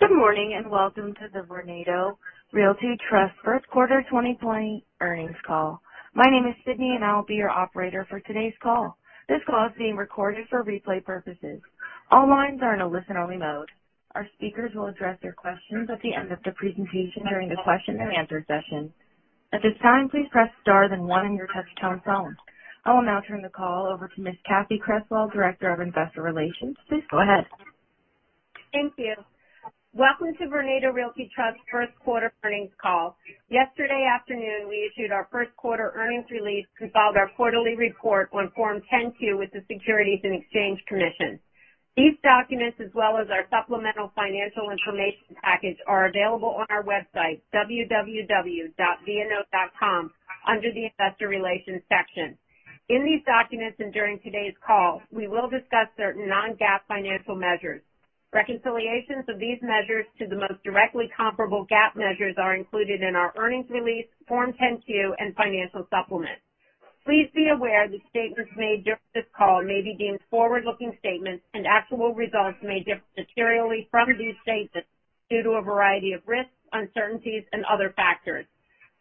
Good morning, and welcome to the Vornado Realty Trust first quarter 2020 earnings call. My name is Sydney, and I will be your operator for today's call. This call is being recorded for replay purposes. All lines are in a listen-only mode. Our speakers will address your questions at the end of the presentation during the question and answer session. At this time, please press star then one on your touchtone phone. I will now turn the call over to Ms. Cathy Creswell, Director of Investor Relations. Please go ahead. Thank you. Welcome to Vornado Realty Trust first quarter earnings call. Yesterday afternoon, we issued our first quarter earnings release, filed our quarterly report on Form 10-Q with the Securities and Exchange Commission. These documents, as well as our supplemental financial information package, are available on our website, www.vno.com, under the investor relations section. In these documents and during today's call, we will discuss certain non-GAAP financial measures. Reconciliations of these measures to the most directly comparable GAAP measures are included in our earnings release, Form 10-Q, and financial supplement. Please be aware that statements made during this call may be deemed forward-looking statements, and actual results may differ materially from these statements due to a variety of risks, uncertainties, and other factors.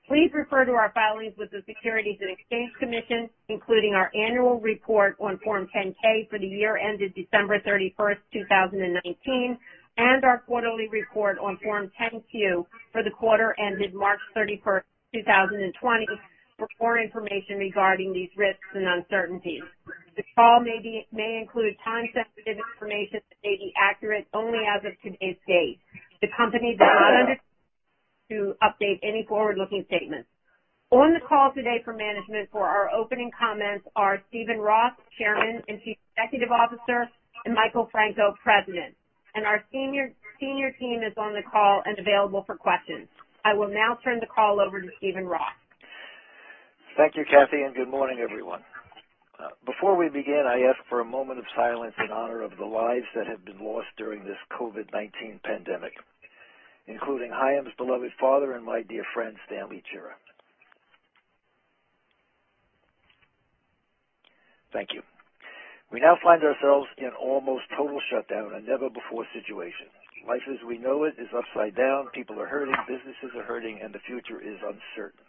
Please refer to our filings with the Securities and Exchange Commission, including our annual report on Form 10-K for the year ended December 31st, 2019, and our quarterly report on Form 10-Q for the quarter ended March 31st, 2020 for more information regarding these risks and uncertainties. This call may include concepts and information that may be accurate only as of today's date. The company does not intend to update any forward-looking statements. On the call today for management for our opening comments are Steven Roth, Chairman and Chief Executive Officer, and Michael Franco, President. Our senior team is on the call and available for questions. I will now turn the call over to Steven Roth. Thank you, Cathy, and good morning, everyone. Before we begin, I ask for a moment of silence in honor of the lives that have been lost during this COVID-19 pandemic, including Haim's beloved father and my dear friend, Stanley Chera. Thank you. We now find ourselves in almost total shutdown, a never-before situation. Life as we know it is upside down. People are hurting, businesses are hurting, and the future is uncertain.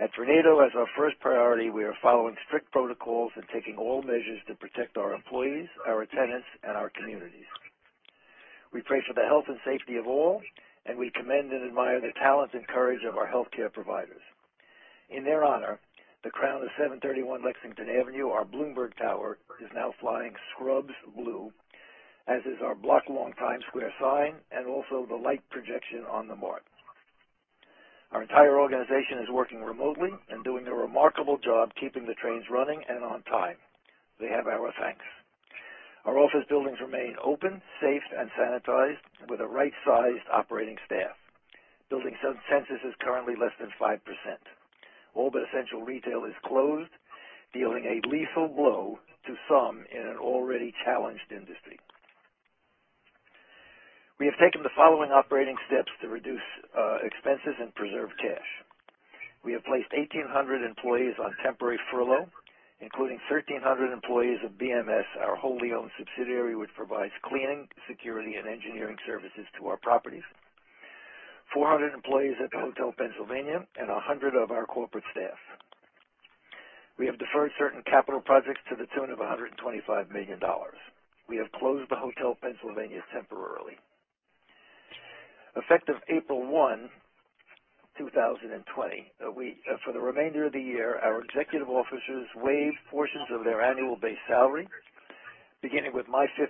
At Vornado, as our first priority, we are following strict protocols and taking all measures to protect our employees, our tenants, and our communities. We pray for the health and safety of all, and we commend and admire the talents and courage of our healthcare providers. In their honor, the crown of 731 Lexington Avenue, our Bloomberg Tower, is now flying scrubs blue, as is our block-long Times Square sign and also the light projection on the Mart. Our entire organization is working remotely and doing a remarkable job keeping the trains running and on time. They have our thanks. Our office buildings remain open, safe, and sanitized with a right-sized operating staff. Building census is currently less than 5%. All but essential retail is closed, dealing a lethal blow to some in an already challenged industry. We have taken the following operating steps to reduce expenses and preserve cash. We have placed 1,800 employees on temporary furlough, including 1,300 employees of BMS, our wholly owned subsidiary, which provides cleaning, security, and engineering services to our properties, 400 employees at the Hotel Pennsylvania, and 100 of our corporate staff. We have deferred certain capital projects to the tune of $125 million. We have closed the Hotel Pennsylvania temporarily. Effective April 1, 2020, for the remainder of the year, our executive officers waived portions of their annual base salary, beginning with my 50%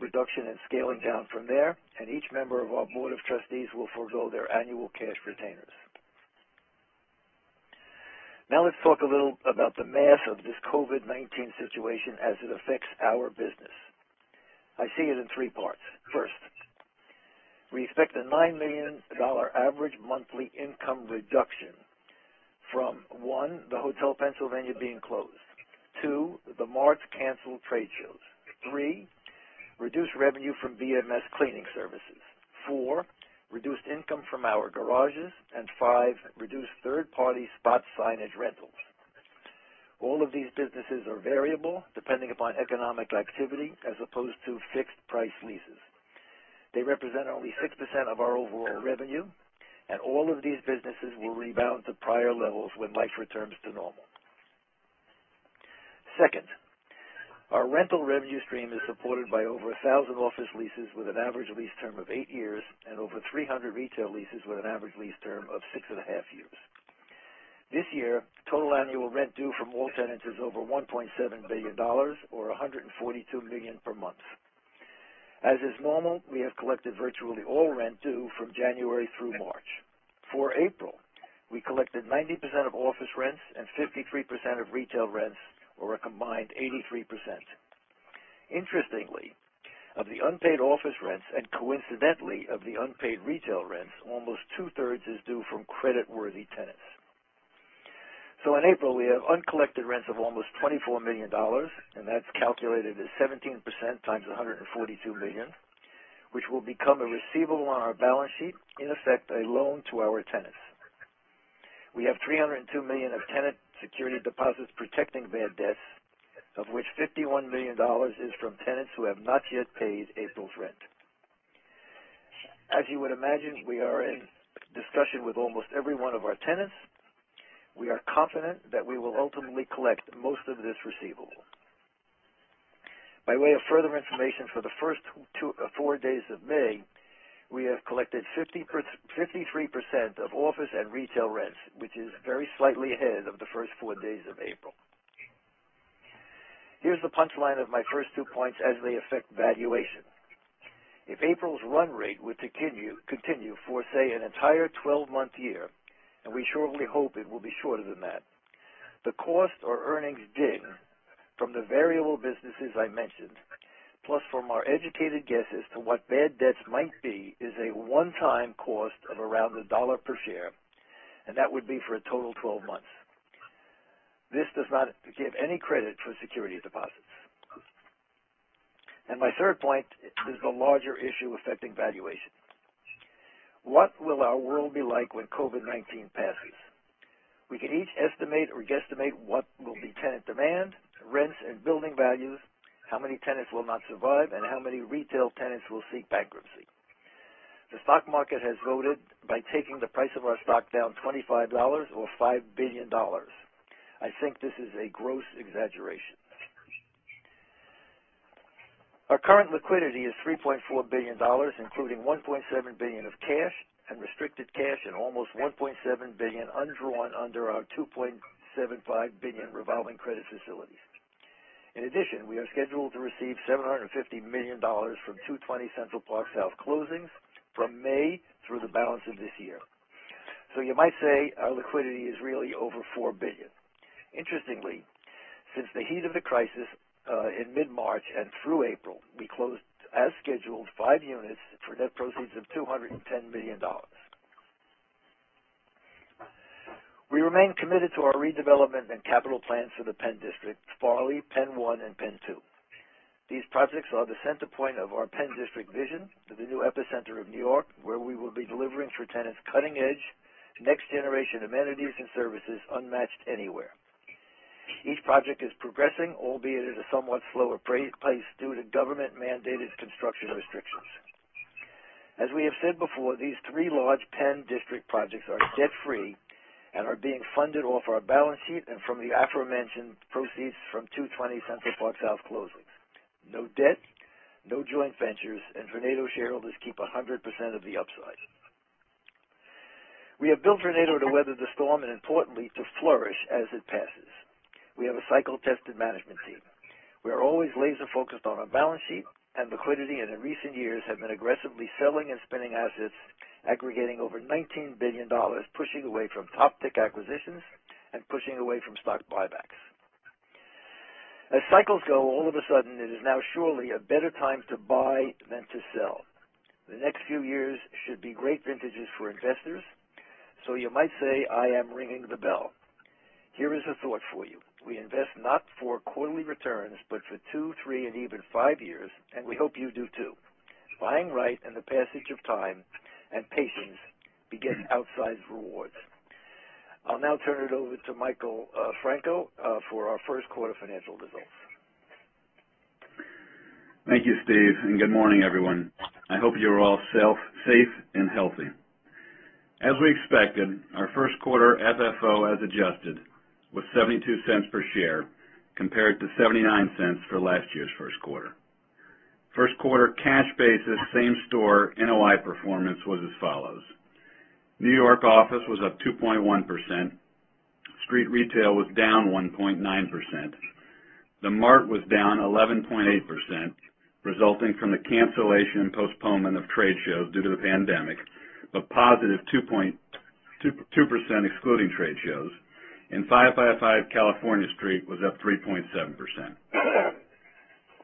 reduction and scaling down from there, and each member of our board of trustees will forego their annual cash retainers. Let's talk a little about the mass of this COVID-19 situation as it affects our business. I see it in three parts. First, we expect a $9 million average monthly income reduction from, one, the Hotel Pennsylvania being closed, two, the March canceled trade shows, three, reduced revenue from BMS cleaning services, four, reduced income from our garages, and five, reduced third-party spot signage rentals. All of these businesses are variable, depending upon economic activity as opposed to fixed price leases. They represent only 6% of our overall revenue, and all of these businesses will rebound to prior levels when life returns to normal. Second, our rental revenue stream is supported by over 1,000 office leases with an average lease term of eight years and over 300 retail leases with an average lease term of six and a half years. This year, total annual rent due from all tenants is over $1.7 billion or $142 million per month. As is normal, we have collected virtually all rent due from January through March. For April, we collected 90% of office rents and 53% of retail rents or a combined 83%. Interestingly, of the unpaid office rents and coincidentally of the unpaid retail rents, almost 2/3 is due from creditworthy tenants. In April, we have uncollected rents of almost $24 million, and that's calculated as 17% times $142 million, which will become a receivable on our balance sheet, in effect, a loan to our tenants. We have $302 million of tenant security deposits protecting bad debts, of which $51 million is from tenants who have not yet paid April's rent. As you would imagine, we are in discussion with almost every one of our tenants. We are confident that we will ultimately collect most of this receivable. By way of further information, for the first four days of May, we have collected 53% of office and retail rents, which is very slightly ahead of the first four days of April. Here's the punchline of my first two points as they affect valuation. If April's run rate were to continue for, say, an entire 12-month year, and we surely hope it will be shorter than that, the cost or earnings ding from the variable businesses I mentioned, plus from our educated guesses to what bad debts might be, is a one-time cost of around $1 per share, and that would be for a total of 12 months. This does not give any credit for security deposits. My third point is the larger issue affecting valuation. What will our world be like when COVID-19 passes? We can each estimate or guesstimate what will be tenant demand, rents, and building values, how many tenants will not survive, and how many retail tenants will seek bankruptcy. The stock market has voted by taking the price of our stock down $25 or $5 billion. I think this is a gross exaggeration. Our current liquidity is $3.4 billion, including $1.7 billion of cash and restricted cash, and almost $1.7 billion undrawn under our $2.75 billion revolving credit facilities. In addition, we are scheduled to receive $750 million from 220 Central Park South closings from May through the balance of this year. You might say our liquidity is really over $4 billion. Interestingly, since the heat of the crisis in mid-March and through April, we closed, as scheduled, five units for net proceeds of $210 million. We remain committed to our redevelopment and capital plans the PENN District, Farley, PENN 1, and PENN 2. These projects are the center point of our PENN District vision to the new epicenter of New York, where we will be delivering for tenants cutting edge, next generation amenities and services unmatched anywhere. Each project is progressing, albeit at a somewhat slower pace due to government-mandated construction restrictions. As we have said before, these three large PENN District projects are debt-free and are being funded off our balance sheet and from the aforementioned proceeds from 220 Central Park South closings. No debt, no joint ventures, and Vornado shareholders keep 100% of the upside. We have built Vornado to weather the storm, and importantly, to flourish as it passes. We have a cycle-tested management team. We are always laser-focused on our balance sheet and liquidity, and in recent years have been aggressively selling and spinning assets, aggregating over $19 billion, pushing away from top tick acquisitions and pushing away from stock buybacks. As cycles go, all of a sudden, it is now surely a better time to buy than to sell. The next few years should be great vintages for investors. You might say I am ringing the bell. Here is a thought for you. We invest not for quarterly returns, but for two, three, and even five years, and we hope you do too. Buying right, and the passage of time, and patience beget outsized rewards. I'll now turn it over to Michael Franco for our first quarter financial results. Thank you, Steve. Good morning, everyone. I hope you're all safe and healthy. As we expected, our first quarter FFO, as adjusted, was $0.72 per share compared to $0.79 for last year's first quarter. First quarter cash basis same-store NOI performance was as follows. New York office was up 2.1%, street retail was down 1.9%, The Mart was down 11.8%, resulting from the cancellation and postponement of trade shows due to the pandemic, but positive 2% excluding trade shows, and 555 California Street was up 3.7%.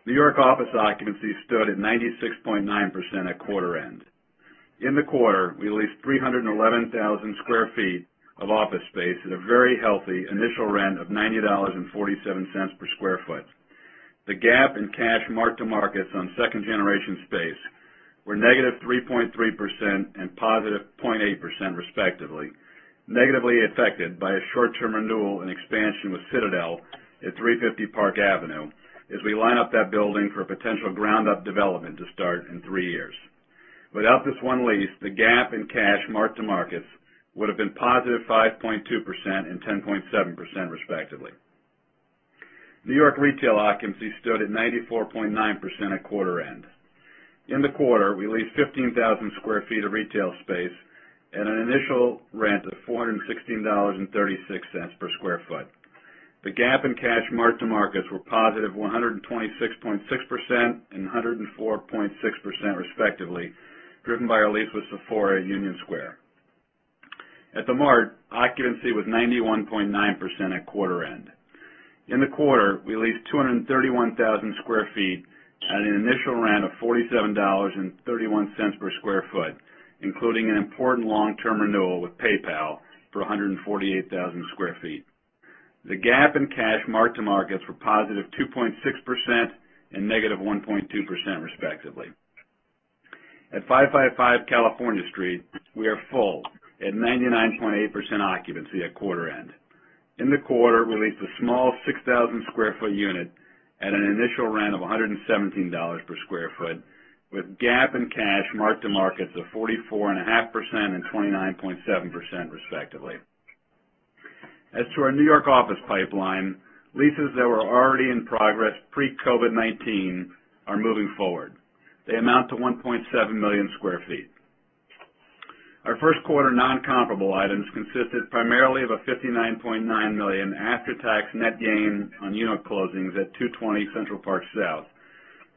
New York office occupancy stood at 96.9% at quarter end. In the quarter, we leased 311,000 sq ft of office space at a very healthy initial rent of $90.47 per sq ft. The gap in cash mark-to-markets on second generation space were -3.3% and +0.8%, respectively, negatively affected by a short-term renewal and expansion with Citadel at 350 Park Avenue as we line up that building for a potential ground-up development to start in three years. Without this one lease, the gap in cash mark-to-markets would have been positive 5.2% and 10.7%, respectively. New York retail occupancy stood at 94.9% at quarter end. In the quarter, we leased 15,000 sq ft of retail space at an initial rent of $416.36 per square foot. The gap in cash mark-to-markets were positive 126.6% and 104.6%, respectively, driven by our lease with Sephora at Union Square. At The Mart, occupancy was 91.9% at quarter end. In the quarter, we leased 231,000 sq ft at an initial rent of $47.31 per square foot, including an important long-term renewal with PayPal for 148,000 sq ft. The gap in cash mark-to-markets were +2.6% and -1.2%, respectively. At 555 California Street, we are full at 99.8% occupancy at quarter end. In the quarter, we leased a small 6,000 sq ft unit at an initial rent of $117 per sq ft, with GAAP and cash mark-to-markets of 44.5% and 29.7%, respectively. As to our New York office pipeline, leases that were already in progress pre-COVID-19 are moving forward. They amount to 1.7 million square feet. Our first quarter non-comparable items consisted primarily of a $59.9 million after-tax net gain on unit closings at 220 Central Park South,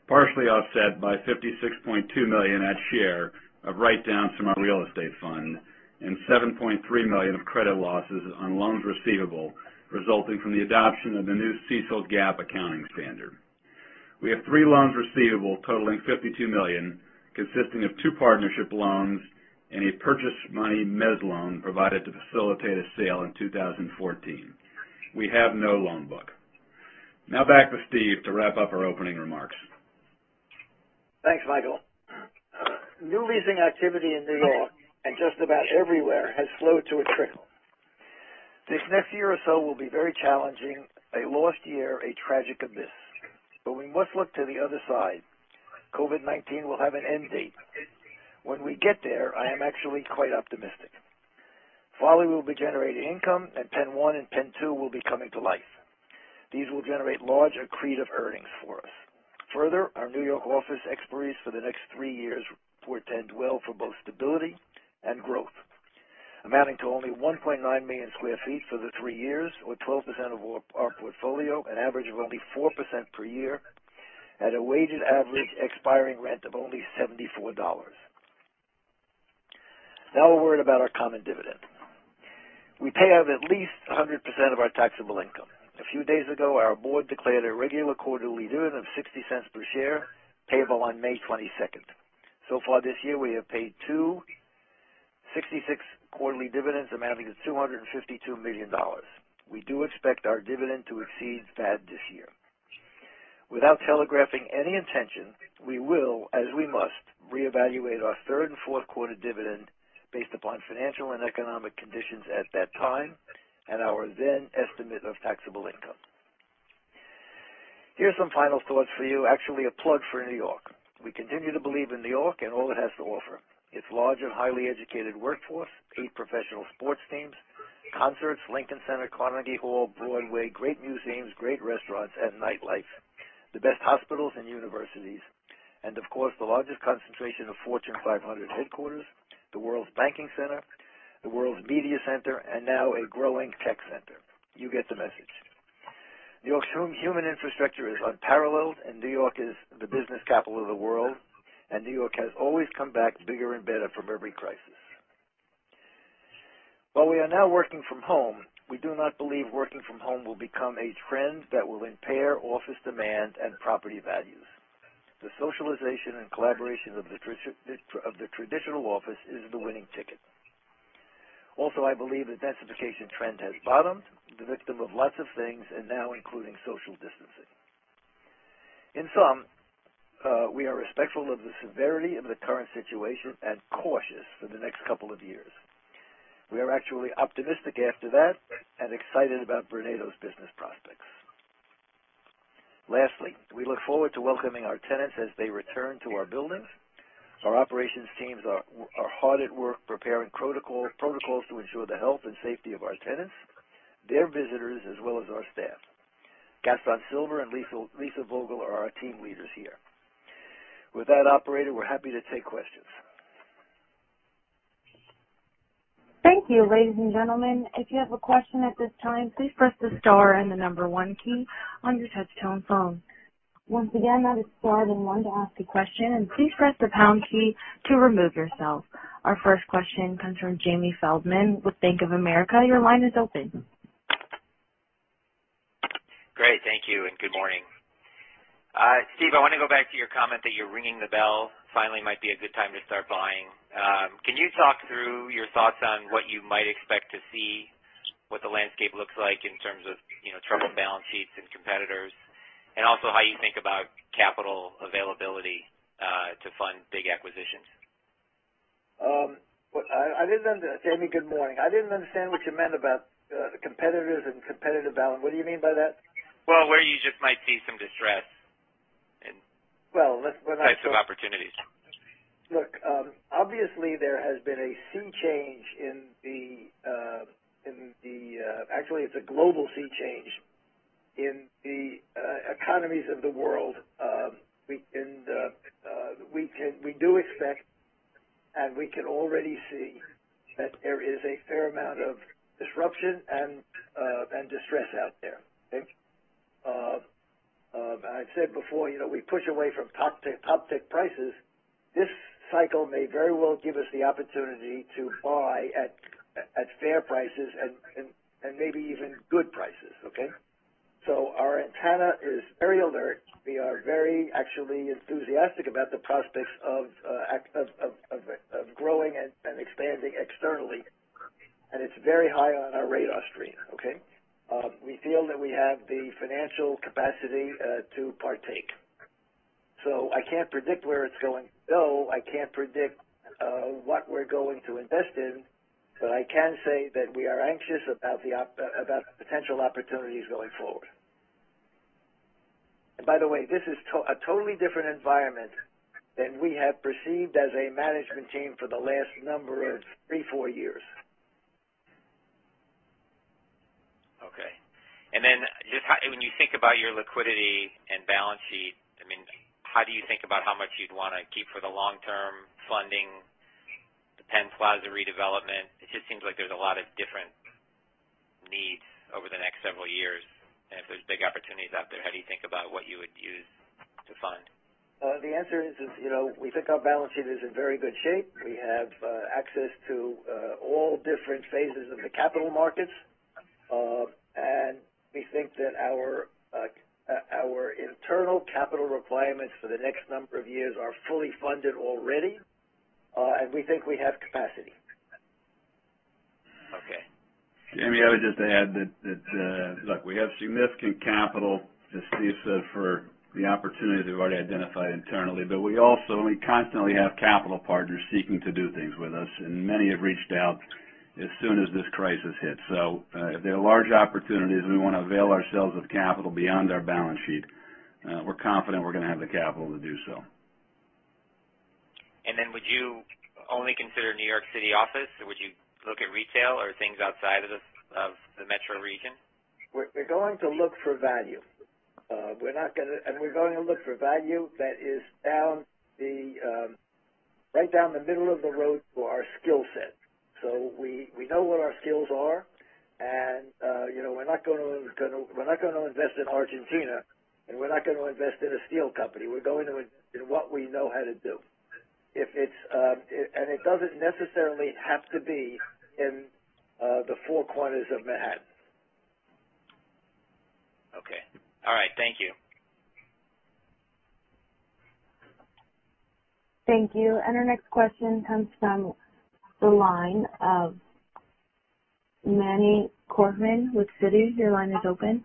partially offset by $56.2 million at share of write-downs from our real estate fund and $7.3 million of credit losses on loans receivable resulting from the adoption of the new CECL GAAP accounting standard. We have three loans receivable totaling $52 million, consisting of two partnership loans and a purchase money mezz loan provided to facilitate a sale in 2014. We have no loan book. Back with Steve to wrap up our opening remarks. Thanks, Michael. New leasing activity in New York and just about everywhere has slowed to a trickle. This next year or so will be very challenging, a lost year, a tragic abyss. We must look to the other side. COVID-19 will have an end date. When we get there, I am actually quite optimistic. Farley will be generating income, and PENN 1 and PENN 2 will be coming to life. These will generate large accretive earnings for us. Further, our New York office expiries for the next three years portend well for both stability and growth, amounting to only 1.9 million square feet for the three years, or 12% of our portfolio, an average of only 4% per year at a weighted average expiring rent of only $74. Now a word about our common dividend. We pay out at least 100% of our taxable income. A few days ago, our board declared a regular quarterly dividend of $0.60 per share, payable on May 22nd. So far this year, we have paid two $0.66 quarterly dividends amounting to $252 million. We do expect our dividend to exceed that this year. Without telegraphing any intention, we will, as we must, reevaluate our third and fourth quarter dividend based upon financial and economic conditions at that time and our then estimate of taxable income. Here's some final thoughts for you, actually, a plug for New York. We continue to believe in New York and all it has to offer. Its large and highly educated workforce, eight professional sports teams, concerts, Lincoln Center, Carnegie Hall, Broadway, great museums, great restaurants, and nightlife. The best hospitals and universities, of course, the largest concentration of Fortune 500 headquarters, the world's banking center, the world's media center, now a growing tech center. You get the message. New York's human infrastructure is unparalleled, New York is the business capital of the world, New York has always come back bigger and better from every crisis. While we are now working from home, we do not believe working from home will become a trend that will impair office demand and property values. The socialization and collaboration of the traditional office is the winning ticket. Also, I believe the densification trend has bottomed, the victim of lots of things, now including social distancing. In sum, we are respectful of the severity of the current situation and cautious for the next couple of years. We are actually optimistic after that and excited about Vornado's business prospects. Lastly, we look forward to welcoming our tenants as they return to our buildings. Our operations teams are hard at work preparing protocols to ensure the health and safety of our tenants, their visitors, as well as our staff. Gaston Silva and Lisa Vogel are our team leaders here. With that, operator, we're happy to take questions. Thank you, ladies and gentlemen. If you have a question at this time, please press the star and the number one key on your touch-tone phone. Once again, that is star and one to ask a question, and please press the pound key to remove yourself. Our first question comes from Jamie Feldman with Bank of America. Your line is open. Great. Thank you and good morning. Steve, I want to go back to your comment that you're ringing the bell, finally might be a good time to start buying. Can you talk through your thoughts on what you might expect to see, what the landscape looks like in terms of troubled balance sheets and competitors, and also how you think about capital availability to fund big acquisitions? Jamie, good morning. I didn't understand what you meant about the competitors and competitive balance. What do you mean by that? Well, where you just might see some distress. Well, let's- Types of opportunities. Look, obviously, there has been a sea change. Actually, it's a global sea change in the economies of the world. We do expect, and we can already see that there is a fair amount of disruption and distress out there. Okay? I've said before, we push away from top tick prices. This cycle may very well give us the opportunity to buy at fair prices and maybe even good prices. Okay? Our antenna is very alert. We are very actually enthusiastic about the prospects of growing and expanding externally. It's very high on our radar screen, okay? We feel that we have the financial capacity to partake. I can't predict where it's going to go. I can't predict what we're going to invest in, but I can say that we are anxious about the potential opportunities going forward. By the way, this is a totally different environment than we have perceived as a management team for the last number of three, four years. Okay. When you think about your liquidity and balance sheet, how do you think about how much you'd want to keep for the long-term funding, the Penn Plaza redevelopment? It just seems like there's a lot of different needs over the next several years. If there's big opportunities out there, how do you think about what you would use to fund? The answer is we think our balance sheet is in very good shape. We have access to all different phases of the capital markets. We think that our internal capital requirements for the next number of years are fully funded already. We think we have capacity. Okay. Jamie, I would just add that, look, we have significant capital, as Steve said, for the opportunities we've already identified internally. We also constantly have capital partners seeking to do things with us, and many have reached out as soon as this crisis hit. If there are large opportunities, and we want to avail ourselves of capital beyond our balance sheet, we're confident we're going to have the capital to do so. Would you only consider New York City office, or would you look at retail or things outside of the metro region? We're going to look for value. We're going to look for value that is right down the middle of the road for our skill set. We know what our skills are, and we're not going to invest in Argentina, and we're not going to invest in a steel company. We're going to invest in what we know how to do. It doesn't necessarily have to be in the four corners of Manhattan. Okay. All right. Thank you. Thank you. Our next question comes from the line of Manny Korchman with Citi. Your line is open.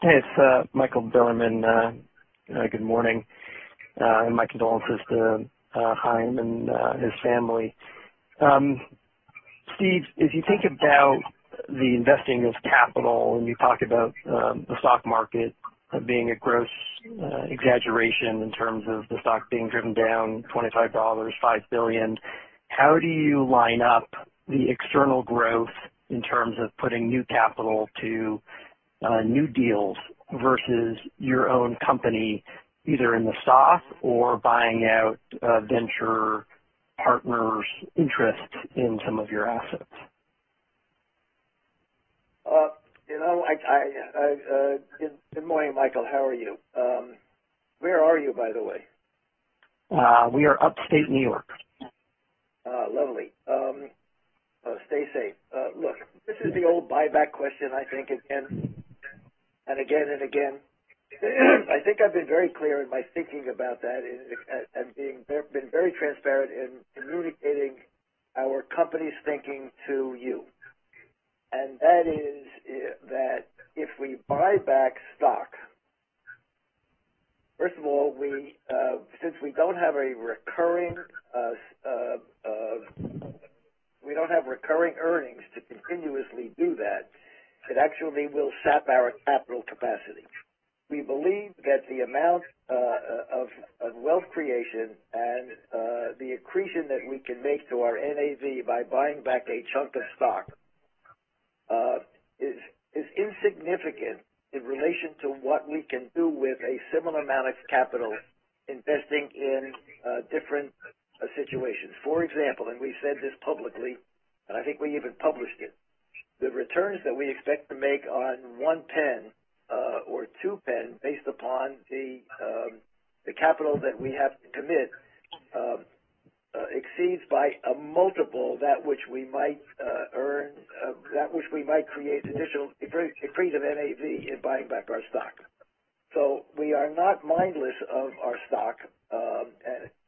Hey, it's Michael Bilerman. Good morning. My condolences to Haim and his family. Steve, as you think about the investing of capital, and you talk about the stock market being a gross exaggeration in terms of the stock being driven down $25, $5 billion, how do you line up the external growth in terms of putting new capital to new deals versus your own company, either in the stock or buying out venture partners' interests in some of your assets? Good morning, Michael. How are you? Where are you, by the way? We are Upstate New York. Lovely. Stay safe. This is the old buyback question, I think, again, and again, and again. I think I've been very clear in my thinking about that, and been very transparent in communicating our company's thinking to you. That is that if we buy back stock, first of all, since we don't have recurring earnings to continuously do that, it actually will sap our capital capacity. We believe that the amount of wealth creation and the accretion that we can make to our NAV by buying back a chunk of stock is insignificant in relation to what we can do with a similar amount of capital investing in different situations. For example, we've said this publicly, I think we even published it, the returns that we expect to make on One Penn or Two Penn, based upon the capital that we have to commit, exceeds by a multiple that which we might earn, that which we might create accretive NAV in buying back our stock. We are not mindless of our stock.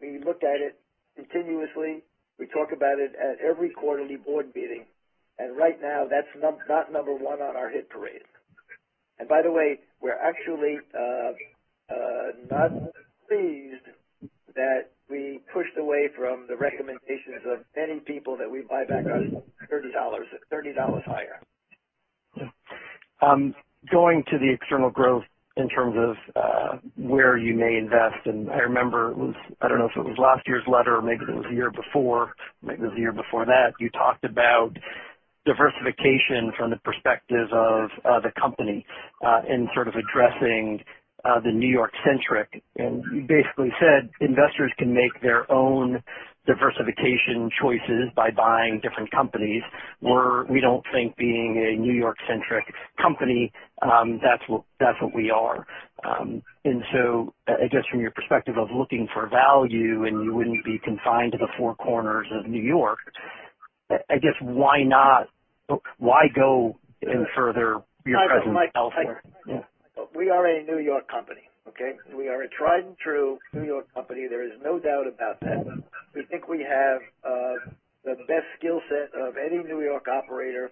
We look at it continuously. We talk about it at every quarterly board meeting, right now, that's not number one on our hit parade. By the way, we're actually not pleased that we pushed away from the recommendations of many people that we buy back our stock $30 higher. Going to the external growth in terms of where you may invest, and I remember, I don't know if it was last year's letter or maybe it was the year before, maybe it was the year before that, you talked about diversification from the perspective of the company in sort of addressing the New York-centric, and you basically said investors can make their own diversification choices by buying different companies, where we don't think being a New York-centric company, that's what we are. I guess from your perspective of looking for value, and you wouldn't be confined to the four corners of New York, I guess why go and further your presence elsewhere? We are a New York company. Okay? We are a tried and true New York company. There is no doubt about that. We think we have the best skill set of any New York operator,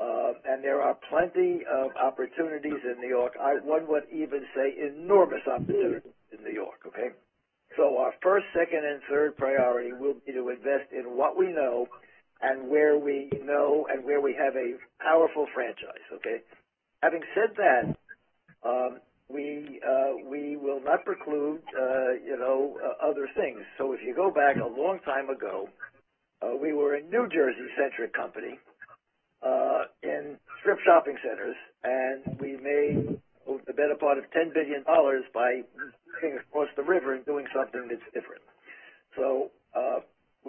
and there are plenty of opportunities in New York. One would even say enormous opportunities in New York. Okay? Our first, second, and third priority will be to invest in what we know and where we know and where we have a powerful franchise, okay? Having said that, we will not preclude other things. If you go back a long time ago, we were a New Jersey-centric company in strip shopping centers, and we made the better part of $10 billion by looking across the river and doing something that's different.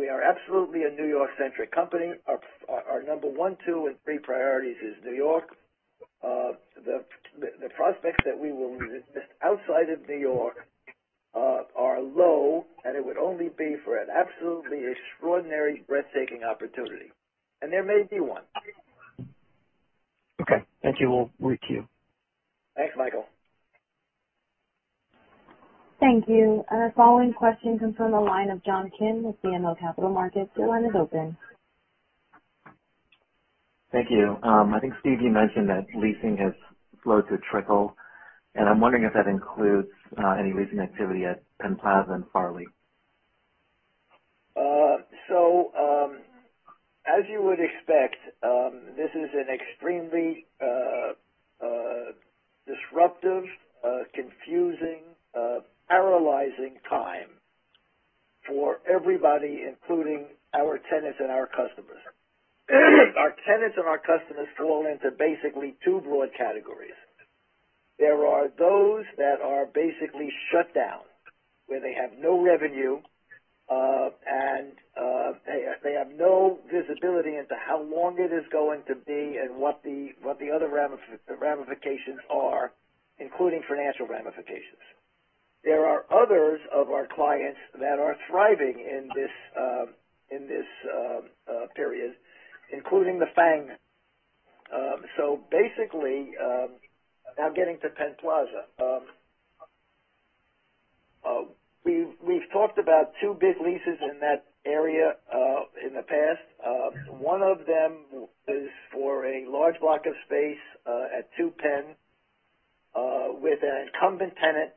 We are absolutely a New York-centric company. Our number one, two, and three priorities is New York. The prospects that we will invest outside of New York are low, and it would only be for an absolutely extraordinary, breathtaking opportunity. There may be one. Okay. Thank you. We'll re-queue. Thanks, Michael. Thank you. Our following question comes from the line of John Kim with BMO Capital Markets. Your line is open. Thank you. I think, Steve, you mentioned that leasing has slowed to a trickle, and I'm wondering if that includes any leasing activity at Penn Plaza and Farley. As you would expect, this is an extremely disruptive, confusing, paralyzing time for everybody, including our tenants and our customers. Our tenants and our customers fall into basically two broad categories. There are those that are basically shut down, where they have no revenue, and they have no visibility into how long it is going to be and what the other ramifications are, including financial ramifications. There are others of our clients that are thriving in this period, including the FAANG. Basically, now getting to Penn Plaza. We've talked about two big leases in that area in the past. One of them is for a large block of space at PENN 2 with an incumbent tenant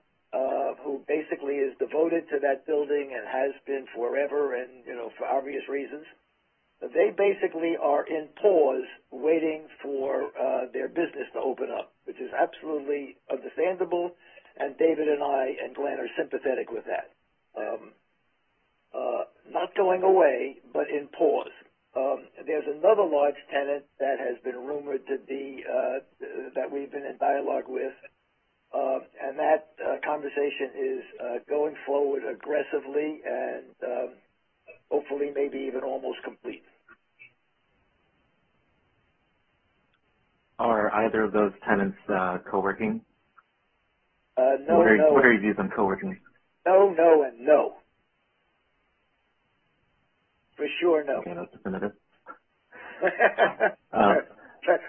who basically is devoted to that building and has been forever and for obvious reasons. They basically are in pause waiting for their business to open up, which is absolutely understandable, and David and I and Glen are sympathetic with that. Not going away, but in pause. There's another large tenant that has been rumored to be that we've been in dialogue with, and that conversation is going forward aggressively and hopefully, maybe even almost complete. Are either of those tenants co-working? No. What are your views on co-working? No, no and no. For sure, no. Okay. That's definitive.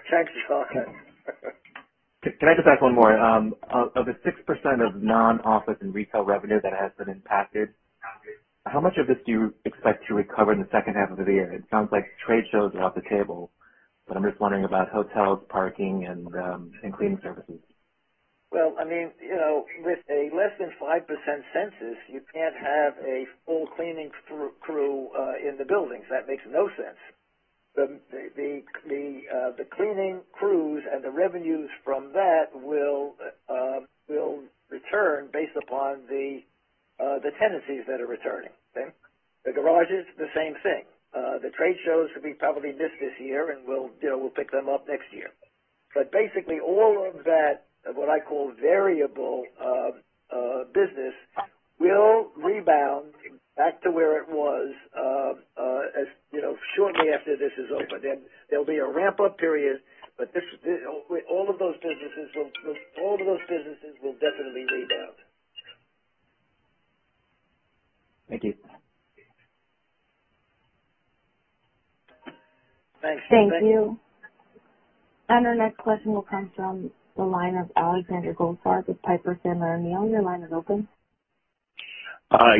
Thanks, John. Can I just ask one more? Of the 6% of non-office and retail revenue that has been impacted, how much of this do you expect to recover in the second half of the year? It sounds like trade shows are off the table, but I'm just wondering about hotels, parking, and cleaning services. Well, with a less than 5% census, you can't have a full cleaning crew in the buildings. That makes no sense. The cleaning crews and the revenues from that will return based upon the tenancies that are returning. Okay. The garages, the same thing. The trade shows will be probably missed this year, and we'll pick them up next year. Basically, all of that, what I call variable business, will rebound back to where it was shortly after this is over. There'll be a ramp-up period. All of those businesses will definitely rebound. Thank you. Thanks. Thank you. Our next question will come from the line of Alexander Goldfarb with Piper Sandler. Your line is open.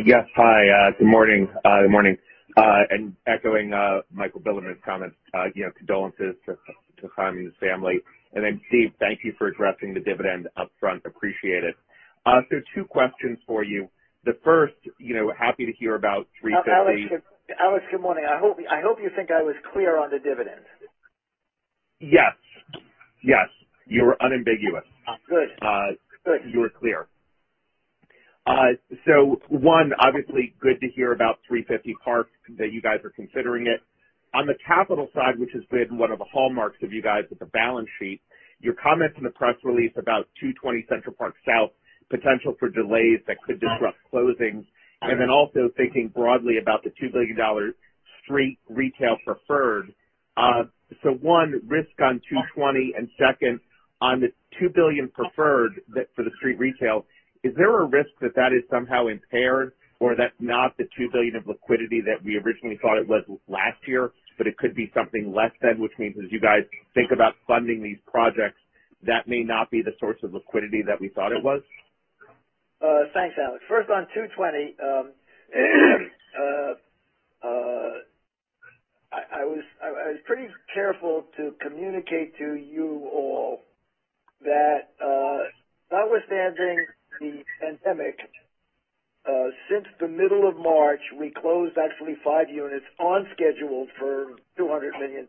Yes. Hi. Good morning. Echoing Michael Bilerman's comments, condolences to Haim and his family. Steve, thank you for addressing the dividend upfront. Appreciate it. Two questions for you. The first, happy to hear about. Alex, good morning. I hope you think I was clear on the dividend. Yes. You were unambiguous. Good. You were clear. One, obviously, good to hear about 350 Park, that you guys are considering it. On the capital side, which has been one of the hallmarks of you guys with the balance sheet, your comments in the press release about 220 Central Park South, potential for delays that could disrupt closings. Also thinking broadly about the $2 billion street retail preferred. One, risk on 220, second, on the $2 billion preferred for the street retail, is there a risk that that is somehow impaired or that's not the $2 billion of liquidity that we originally thought it was last year, but it could be something less than, which means as you guys think about funding these projects, that may not be the source of liquidity that we thought it was? Thanks, Alex. First on 220, I was pretty careful to communicate to you all that notwithstanding the pandemic, since the middle of March, we closed actually five units on schedule for $200 million.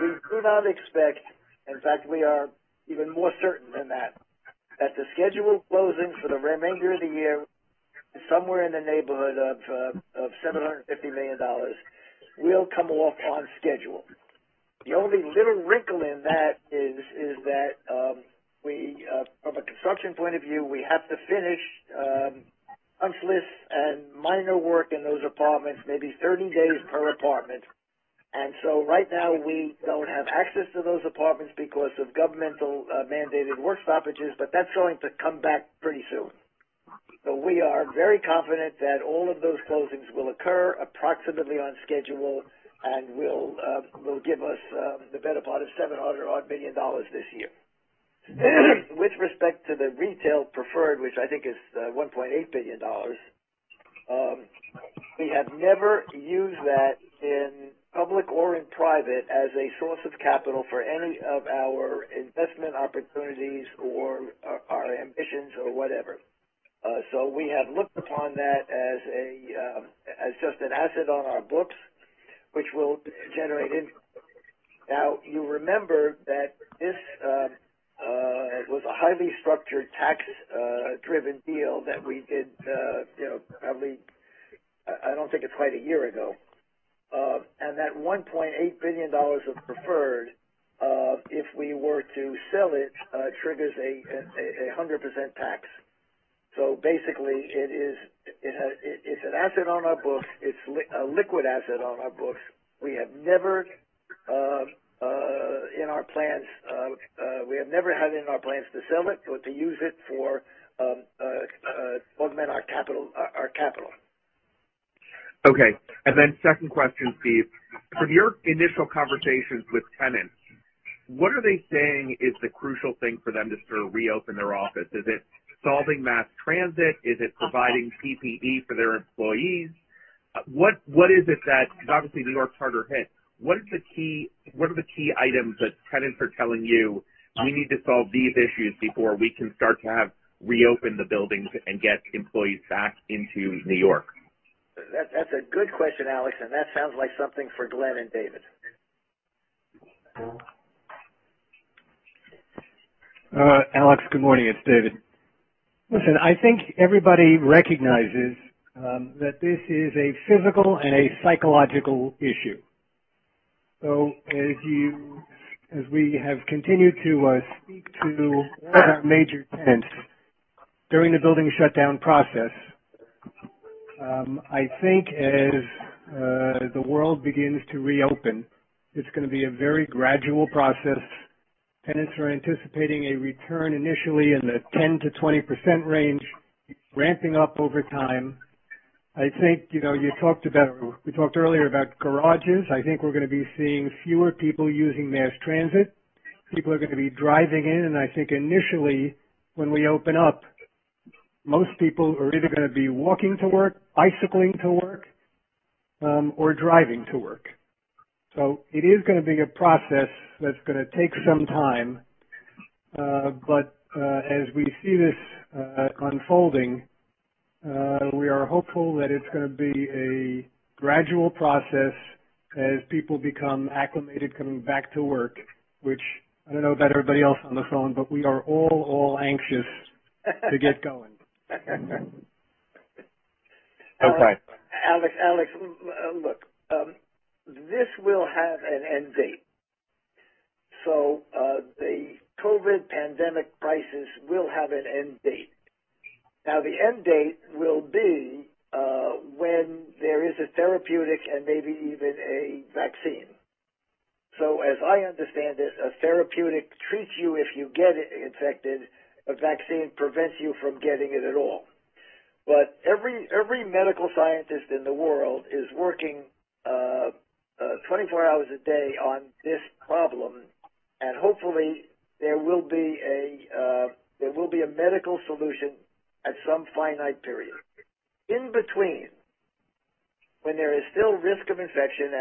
We do not expect, in fact, we are even more certain than that the scheduled closings for the remainder of the year, somewhere in the neighborhood of $750 million, will come off on schedule. The only little wrinkle in that is that from a construction point of view, we have to finish punch lists and minor work in those apartments, maybe 30 days per apartment. Right now we don't have access to those apartments because of governmental mandated work stoppages, but that's going to come back pretty soon. We are very confident that all of those closings will occur approximately on schedule and will give us the better part of $700 odd billion this year. With respect to the retail preferred, which I think is $1.8 billion, we have never used that in public or in private as a source of capital for any of our investment opportunities or our ambitions or whatever. We have looked upon that as just an asset on our books, which will generate income. Now, you remember that this was a highly structured tax-driven deal that we did, probably, I don't think it's quite a year ago. That $1.8 billion of preferred, if we were to sell it, triggers a 100% tax. Basically it's an asset on our books. It's a liquid asset on our books. We have never had in our plans to sell it or to use it to augment our capital. Okay. Second question, Steve. From your initial conversations with tenants, what are they saying is the crucial thing for them to sort of reopen their office? Is it solving mass transit? Is it providing PPE for their employees? What is it? Because obviously New York's harder hit, what are the key items that tenants are telling you, "We need to solve these issues before we can start to reopen the buildings and get employees back into New York"? That's a good question, Alex, and that sounds like something for Glen and David. Alex, good morning. It's David. Listen, I think everybody recognizes that this is a physical and a psychological issue. As we have continued to speak to all our major tenants during the building shutdown process, I think as the world begins to reopen, it's going to be a very gradual process. Tenants are anticipating a return initially in the 10%-20% range, ramping up over time. I think we talked earlier about garages. I think we're going to be seeing fewer people using mass transit. People are going to be driving in, and I think initially when we open up, most people are either going to be walking to work, bicycling to work, or driving to work. It is going to be a process that's going to take some time. As we see this unfolding, we are hopeful that it's going to be a gradual process as people become acclimated coming back to work, which I don't know about everybody else on the phone, but we are all anxious to get going. Okay. Alex, this will have an end date. The COVID-19 pandemic crisis will have an end date. The end date will be when there is a therapeutic and maybe even a vaccine. As I understand it, a therapeutic treats you if you get infected, a vaccine prevents you from getting it at all. Every medical scientist in the world is working 24 hours a day on this problem, and hopefully, there will be a medical solution at some finite period. In between, when there is still risk of infection,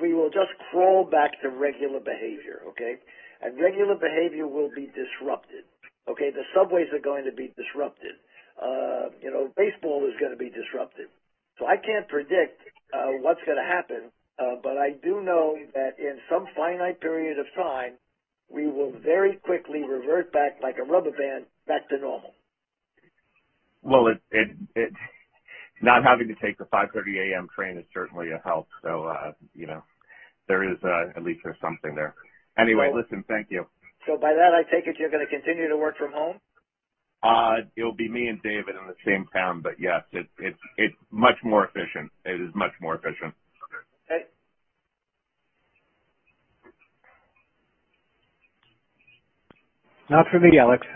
we will just crawl back to regular behavior, okay. Regular behavior will be disrupted, okay. The subways are going to be disrupted. Baseball is going to be disrupted. I can't predict what's going to happen, but I do know that in some finite period of time, we will very quickly revert back, like a rubber band, back to normal. Well, not having to take the 5:30 A.M. train is certainly a help. At least there's something there. Listen, thank you. By that, I take it you're going to continue to work from home? It'll be me and David in the same town, but yes. It's much more efficient. It is much more efficient. Okay. Not for me, Alex.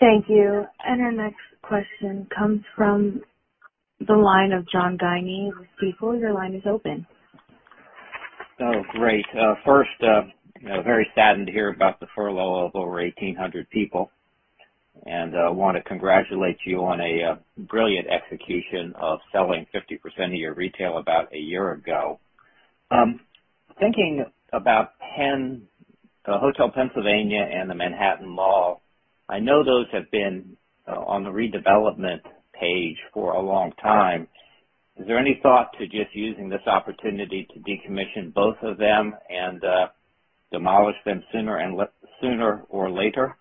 Thank you. Our next question comes from the line of John Guinee with Stifel. Your line is open. Oh, great. First, very saddened to hear about the furlough of over 1,800 people, and I want to congratulate you on a brilliant execution of selling 50% of your retail about a year ago. Thinking about Hotel Pennsylvania and the Manhattan Mall, I know those have been on the redevelopment page for a long time. Is there any thought to just using this opportunity to decommission both of them and demolish them sooner or later?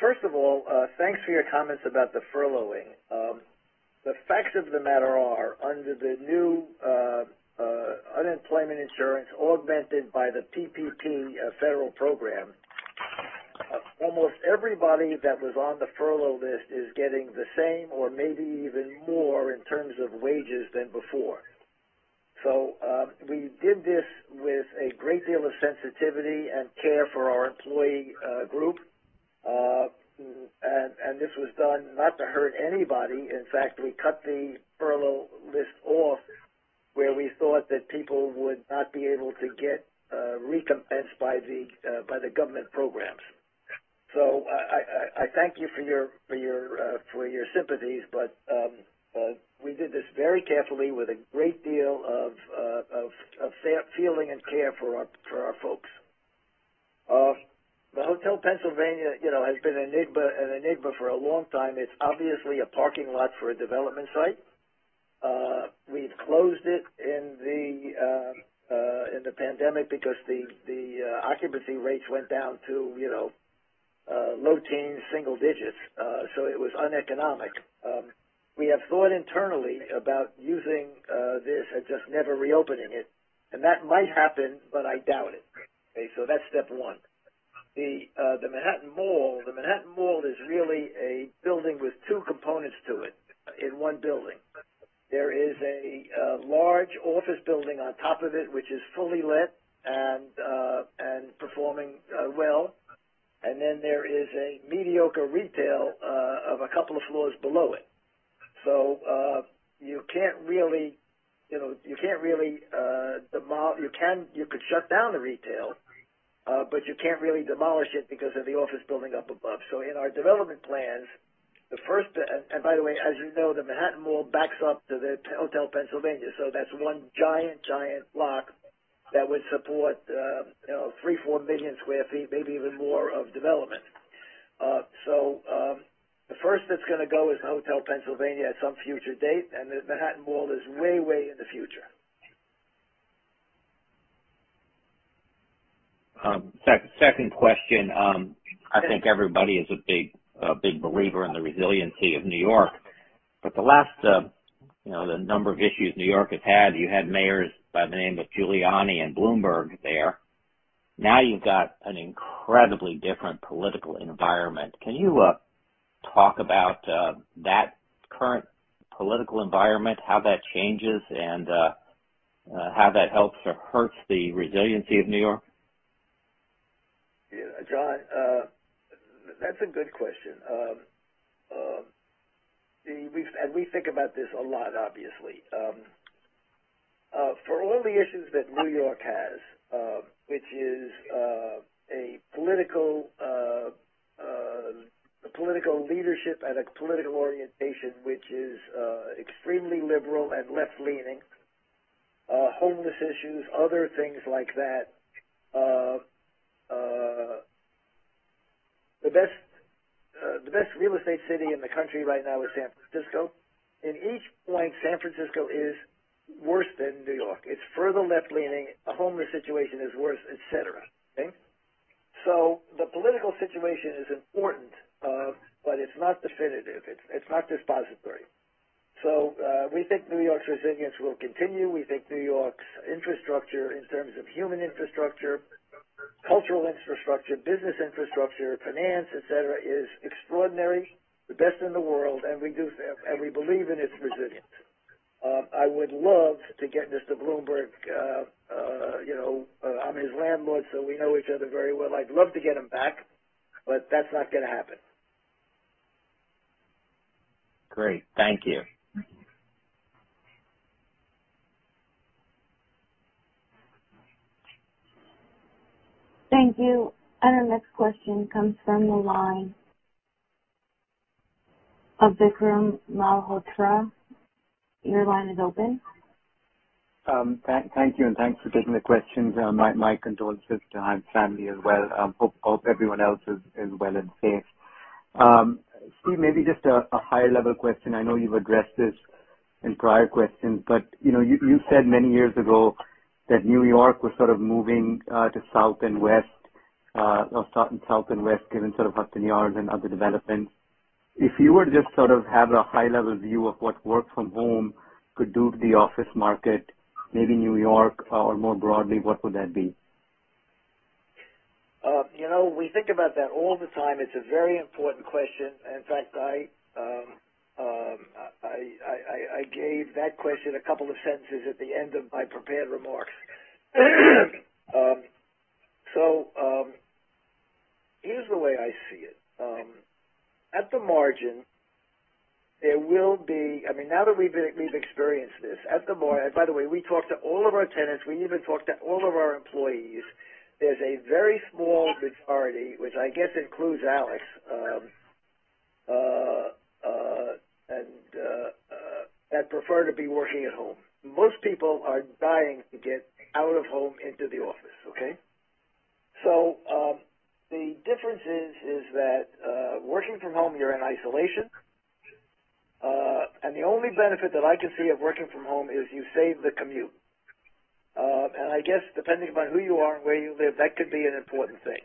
First of all, thanks for your comments about the furloughing. The facts of the matter are, under the new unemployment insurance, augmented by the PPP federal program, almost everybody that was on the furlough list is getting the same or maybe even more in terms of wages than before. We did this with a great deal of sensitivity and care for our employee group, and this was done not to hurt anybody. In fact, we cut the furlough list off where we thought that people would not be able to get recompensed by the government programs. I thank you for your sympathies, but we did this very carefully with a great deal of feeling and care for our folks. The Hotel Pennsylvania has been an enigma for a long time. It's obviously a parking lot for a development site. We've closed it in the pandemic because the occupancy rates went down to low teens, single digits, so it was uneconomic. We have thought internally about using this and just never reopening it, and that might happen, but I doubt it. Okay, so that's step one. The Manhattan Mall is really a building with two components to it in one building. There is a large office building on top of it, which is fully let and performing well, there is a mediocre retail of a couple of floors below it. You could shut down the retail, but you can't really demolish it because of the office building up above. In our development plans, By the way, as you know, the Manhattan Mall backs up to the Hotel Pennsylvania, so that's one giant block that would support 3, 4 million square feet, maybe even more of development. The first that's going to go is Hotel Pennsylvania at some future date, and the Manhattan Mall is way in the future. Second question. I think everybody is a big believer in the resiliency of New York. The last number of issues New York has had, you had mayors by the name of Giuliani and Bloomberg there. Now you've got an incredibly different political environment. Can you talk about that current political environment, how that changes, and how that helps or hurts the resiliency of New York? John, that's a good question. We think about this a lot, obviously. For all the issues that New York has, which is a political leadership and a political orientation which is extremely liberal and left-leaning, homeless issues, other things like that. The best real estate city in the country right now is San Francisco. In each point, San Francisco is worse than New York. It's further left-leaning, the homeless situation is worse, et cetera. Okay? The political situation is important, but it's not definitive. It's not dispositive. We think New York's resilience will continue. We think New York's infrastructure in terms of human infrastructure, cultural infrastructure, business infrastructure, finance, et cetera, is extraordinary, the best in the world, and we believe in its resilience. I would love to get Mr. Bloomberg. I'm his landlord, so we know each other very well. I'd love to get him back, but that's not going to happen. Great. Thank you. Thank you. Our next question comes from the line of Vikram Malhotra. Your line is open. Thank you, and thanks for taking the questions. My condolences to Haim's family as well. Hope everyone else is well and safe. Steve, maybe just a high-level question. I know you've addressed this in prior questions, but you said many years ago that New York was sort of moving to South and West, given Hudson Yards and other developments. If you were just sort of have a high-level view of what work from home could do to the office market, maybe New York or more broadly, what would that be? We think about that all the time. It's a very important question. In fact, I gave that question a couple of sentences at the end of my prepared remarks. Here's the way I see it. Now that we've experienced this, at the margin. By the way, we talked to all of our tenants. We even talked to all of our employees. There's a very small majority, which I guess includes Alex, that prefer to be working at home. Most people are dying to get out of home into the office, okay? The difference is that working from home, you're in isolation. The only benefit that I can see of working from home is you save the commute. I guess depending upon who you are and where you live, that could be an important thing.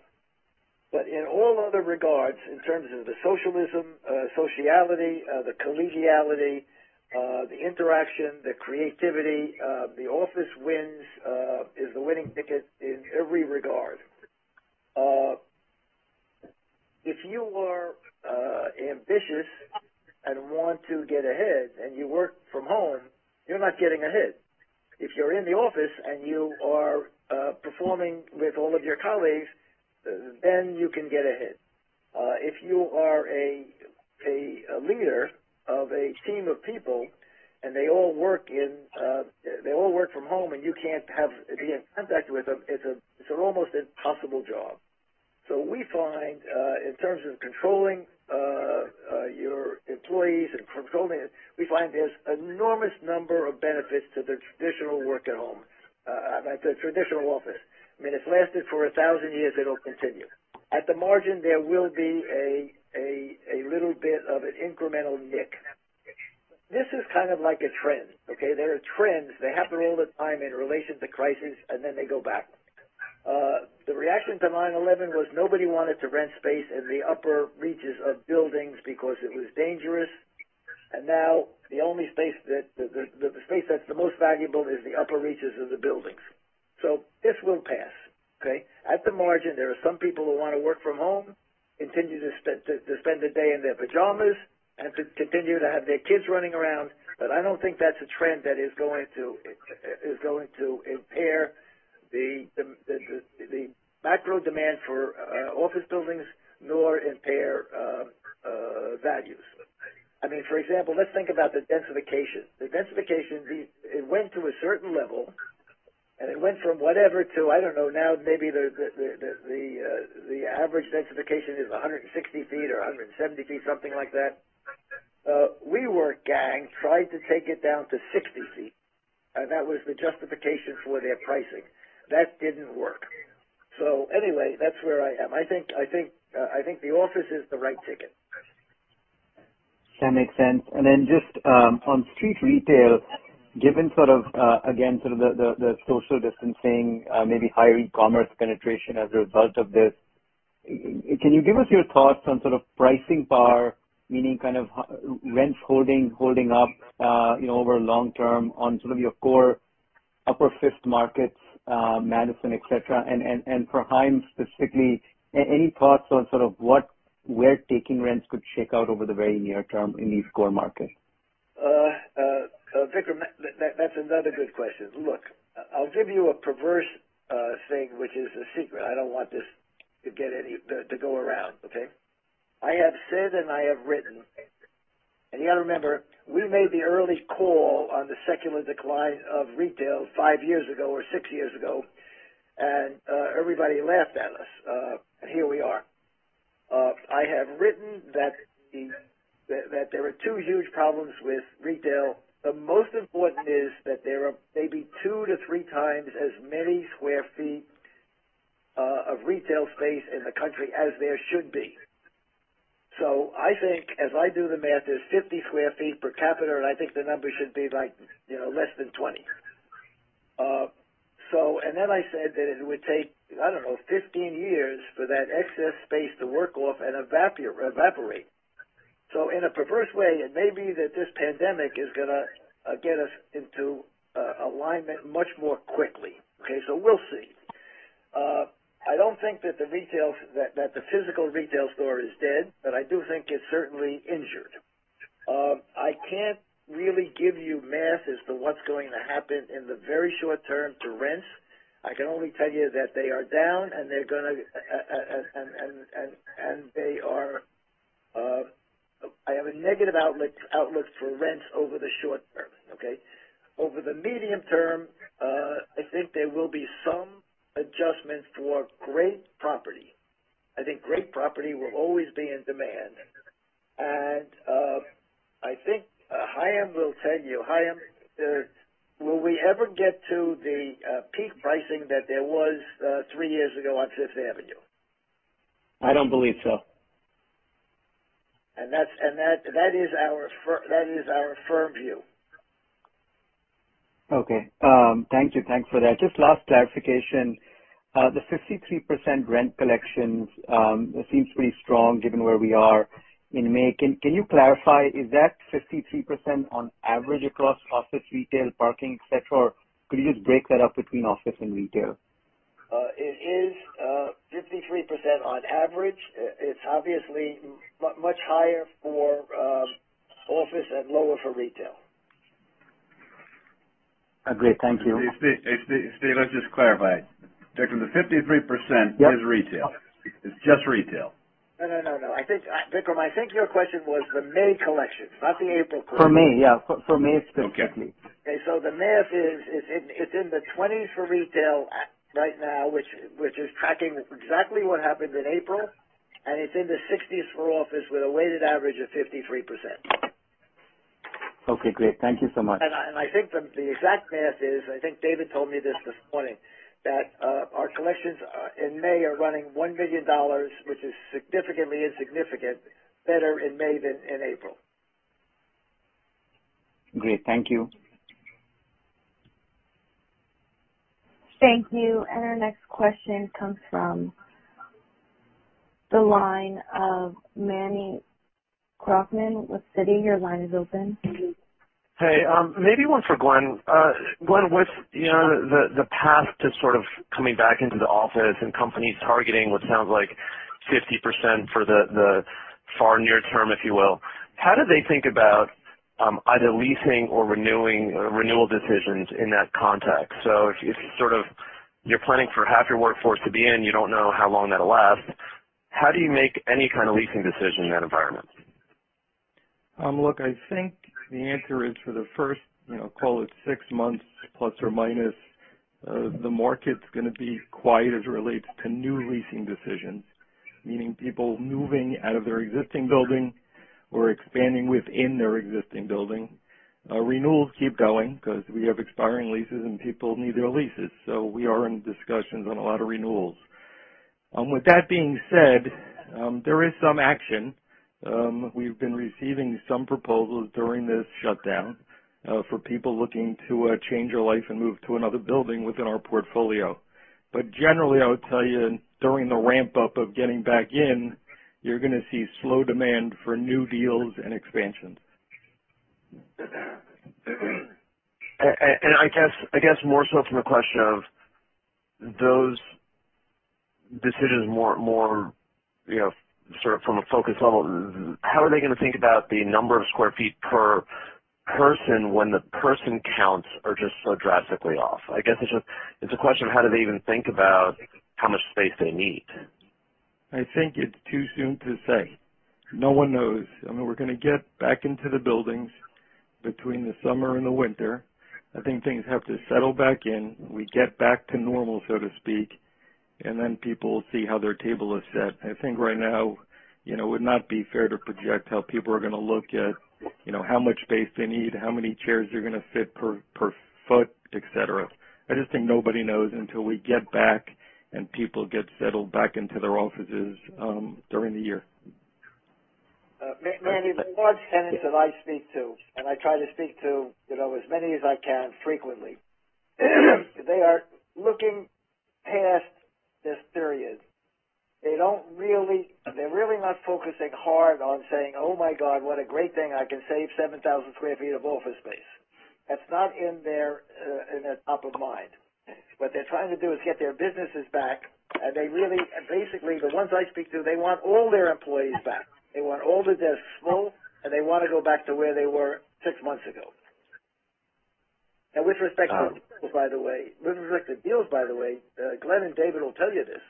In all other regards, in terms of the socialism, sociality, the collegiality, the interaction, the creativity, the office is the winning ticket in every regard. If you are ambitious and want to get ahead and you work from home, you're not getting ahead. If you're in the office and you are performing with all of your colleagues, then you can get ahead. If you are a leader of a team of people and they all work from home, and you can't be in contact with them, it's an almost impossible job. We find, in terms of controlling your employees and controlling it, we find there's enormous number of benefits to the traditional work at home, like the traditional office. It's lasted for 1,000 years, it'll continue. At the margin, there will be a little bit of an incremental nick. This is kind of like a trend. Okay. There are trends. They happen all the time in relation to crises, and then they go back. The reaction to 9/11 was nobody wanted to rent space in the upper reaches of buildings because it was dangerous. Now the only space that's the most valuable is the upper reaches of the buildings. This will pass. Okay? At the margin, there are some people who want to work from home, continue to spend the day in their pajamas, and to continue to have their kids running around. I don't think that's a trend that is going to impair the macro demand for office buildings nor impair values. For example, let's think about the densification. The densification, it went to a certain level, and it went from whatever to, I don't know, now maybe the average densification is 160 ft or 170 ft, something like that. WeWork gang tried to take it down to 60 ft, and that was the justification for their pricing. That didn't work. Anyway, that's where I am. I think the office is the right ticket. That makes sense. Just on street retail, given again, the social distancing, maybe higher e-commerce penetration as a result of this, can you give us your thoughts on pricing power, meaning rents holding up over long term on some of your core upper Fifth markets, Madison, et cetera? For Haim specifically, any thoughts on where taking rents could shake out over the very near term in these core markets? Vikram, that's another good question. Look, I'll give you a perverse thing, which is a secret. I don't want this to go around, okay? I have said, and I have written, and you got to remember, we made the early call on the secular decline of retail five years ago or six years ago, and everybody laughed at us. Here we are. I have written that there are two huge problems with retail. The most important is that there are maybe 2x-3x as many square feet of retail space in the country as there should be. I think as I do the math, there's 50 sq ft per capita, and I think the number should be less than 20 sq ft. Then I said that it would take, I don't know, 15 years for that excess space to work off and evaporate. In a perverse way, it may be that this pandemic is going to get us into alignment much more quickly. Okay? We'll see. I don't think that the physical retail store is dead, but I do think it's certainly injured. I can't really give you math as to what's going to happen in the very short term to rents. I can only tell you that they are down, and I have a negative outlook for rents over the short term, okay? Over the medium term, I think there will be some adjustment for great property. I think great property will always be in demand. I think Haim will tell you. Haim, will we ever get to the peak pricing that there was three years ago on Fifth Avenue? I don't believe so. That is our firm view. Okay. Thank you. Thanks for that. Just last clarification, the 53% rent collections, it seems pretty strong given where we are in May. Can you clarify, is that 53% on average across office, retail, parking, et cetera, or could you just break that up between office and retail? It is 53% on average. It's obviously much higher for office and lower for retail. Great. Thank you. Steve, let's just clarify. Vikram, the 53% is retail. Yes. It's just retail. No. Vikram, I think your question was the May collection, not the April collection. For May, yeah. For May specifically. Okay. The math is, it's in the 20s for retail right now, which is tracking exactly what happened in April, and it's in the 60s for office with a weighted average of 53%. Okay, great. Thank you so much. I think the exact math is, I think David told me this this morning, that our collections in May are running $1 million, which is significantly insignificant, better in May than in April. Great. Thank you. Thank you. Our next question comes from the line of Manny Korchman with Citi. Your line is open. Hey. Maybe one for Glen. Glen, with the path to sort of coming back into the office and companies targeting what sounds like 50% for the far near term, if you will, how do they think about either leasing or renewal decisions in that context? If you're planning for half your workforce to be in, you don't know how long that'll last. How do you make any kind of leasing decision in that environment? Look, I think the answer is for the first, call it six months plus or minus, the market's going to be quiet as it relates to new leasing decisions, meaning people moving out of their existing building or expanding within their existing building. Renewals keep going because we have expiring leases and people need their leases. We are in discussions on a lot of renewals. With that being said, there is some action. We've been receiving some proposals during this shutdown for people looking to change their life and move to another building within our portfolio. Generally, I would tell you during the ramp-up of getting back in, you're going to see slow demand for new deals and expansions. I guess more so from a question of those decisions, more from a focus level, how are they going to think about the number of square feet per person when the person counts are just so drastically off? I guess it's a question of how do they even think about how much space they need? I think it's too soon to say. No one knows. We're going to get back into the buildings between the summer and the winter. I think things have to settle back in. We get back to normal, so to speak, and then people will see how their table is set. I think right now, it would not be fair to project how people are going to look at how much space they need, how many chairs they're going to fit per foot, et cetera. I just think nobody knows until we get back and people get settled back into their offices during the year. Manny, the large tenants that I speak to, and I try to speak to as many as I can frequently, they are looking past this period. They're really not focusing hard on saying, "Oh my God, what a great thing. I can save 7,000 sq ft of office space." That's not in their top of mind. What they're trying to do is get their businesses back, and they really Basically, the ones I speak to, they want all their employees back. They want all their smoke, and they want to go back to where they were six months ago. With respect to, by the way, with respect to deals, by the way, Glen and David will tell you this.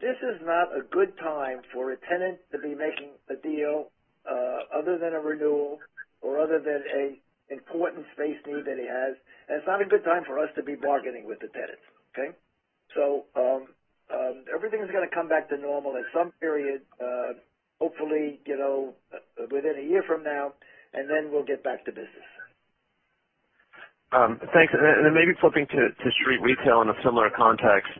This is not a good time for a tenant to be making a deal other than a renewal or other than an important space need that he has. It's not a good time for us to be bargaining with the tenants. Okay? Everything is going to come back to normal at some period, hopefully, within a year from now, and then we'll get back to business. Thanks. Maybe flipping to street retail in a similar context.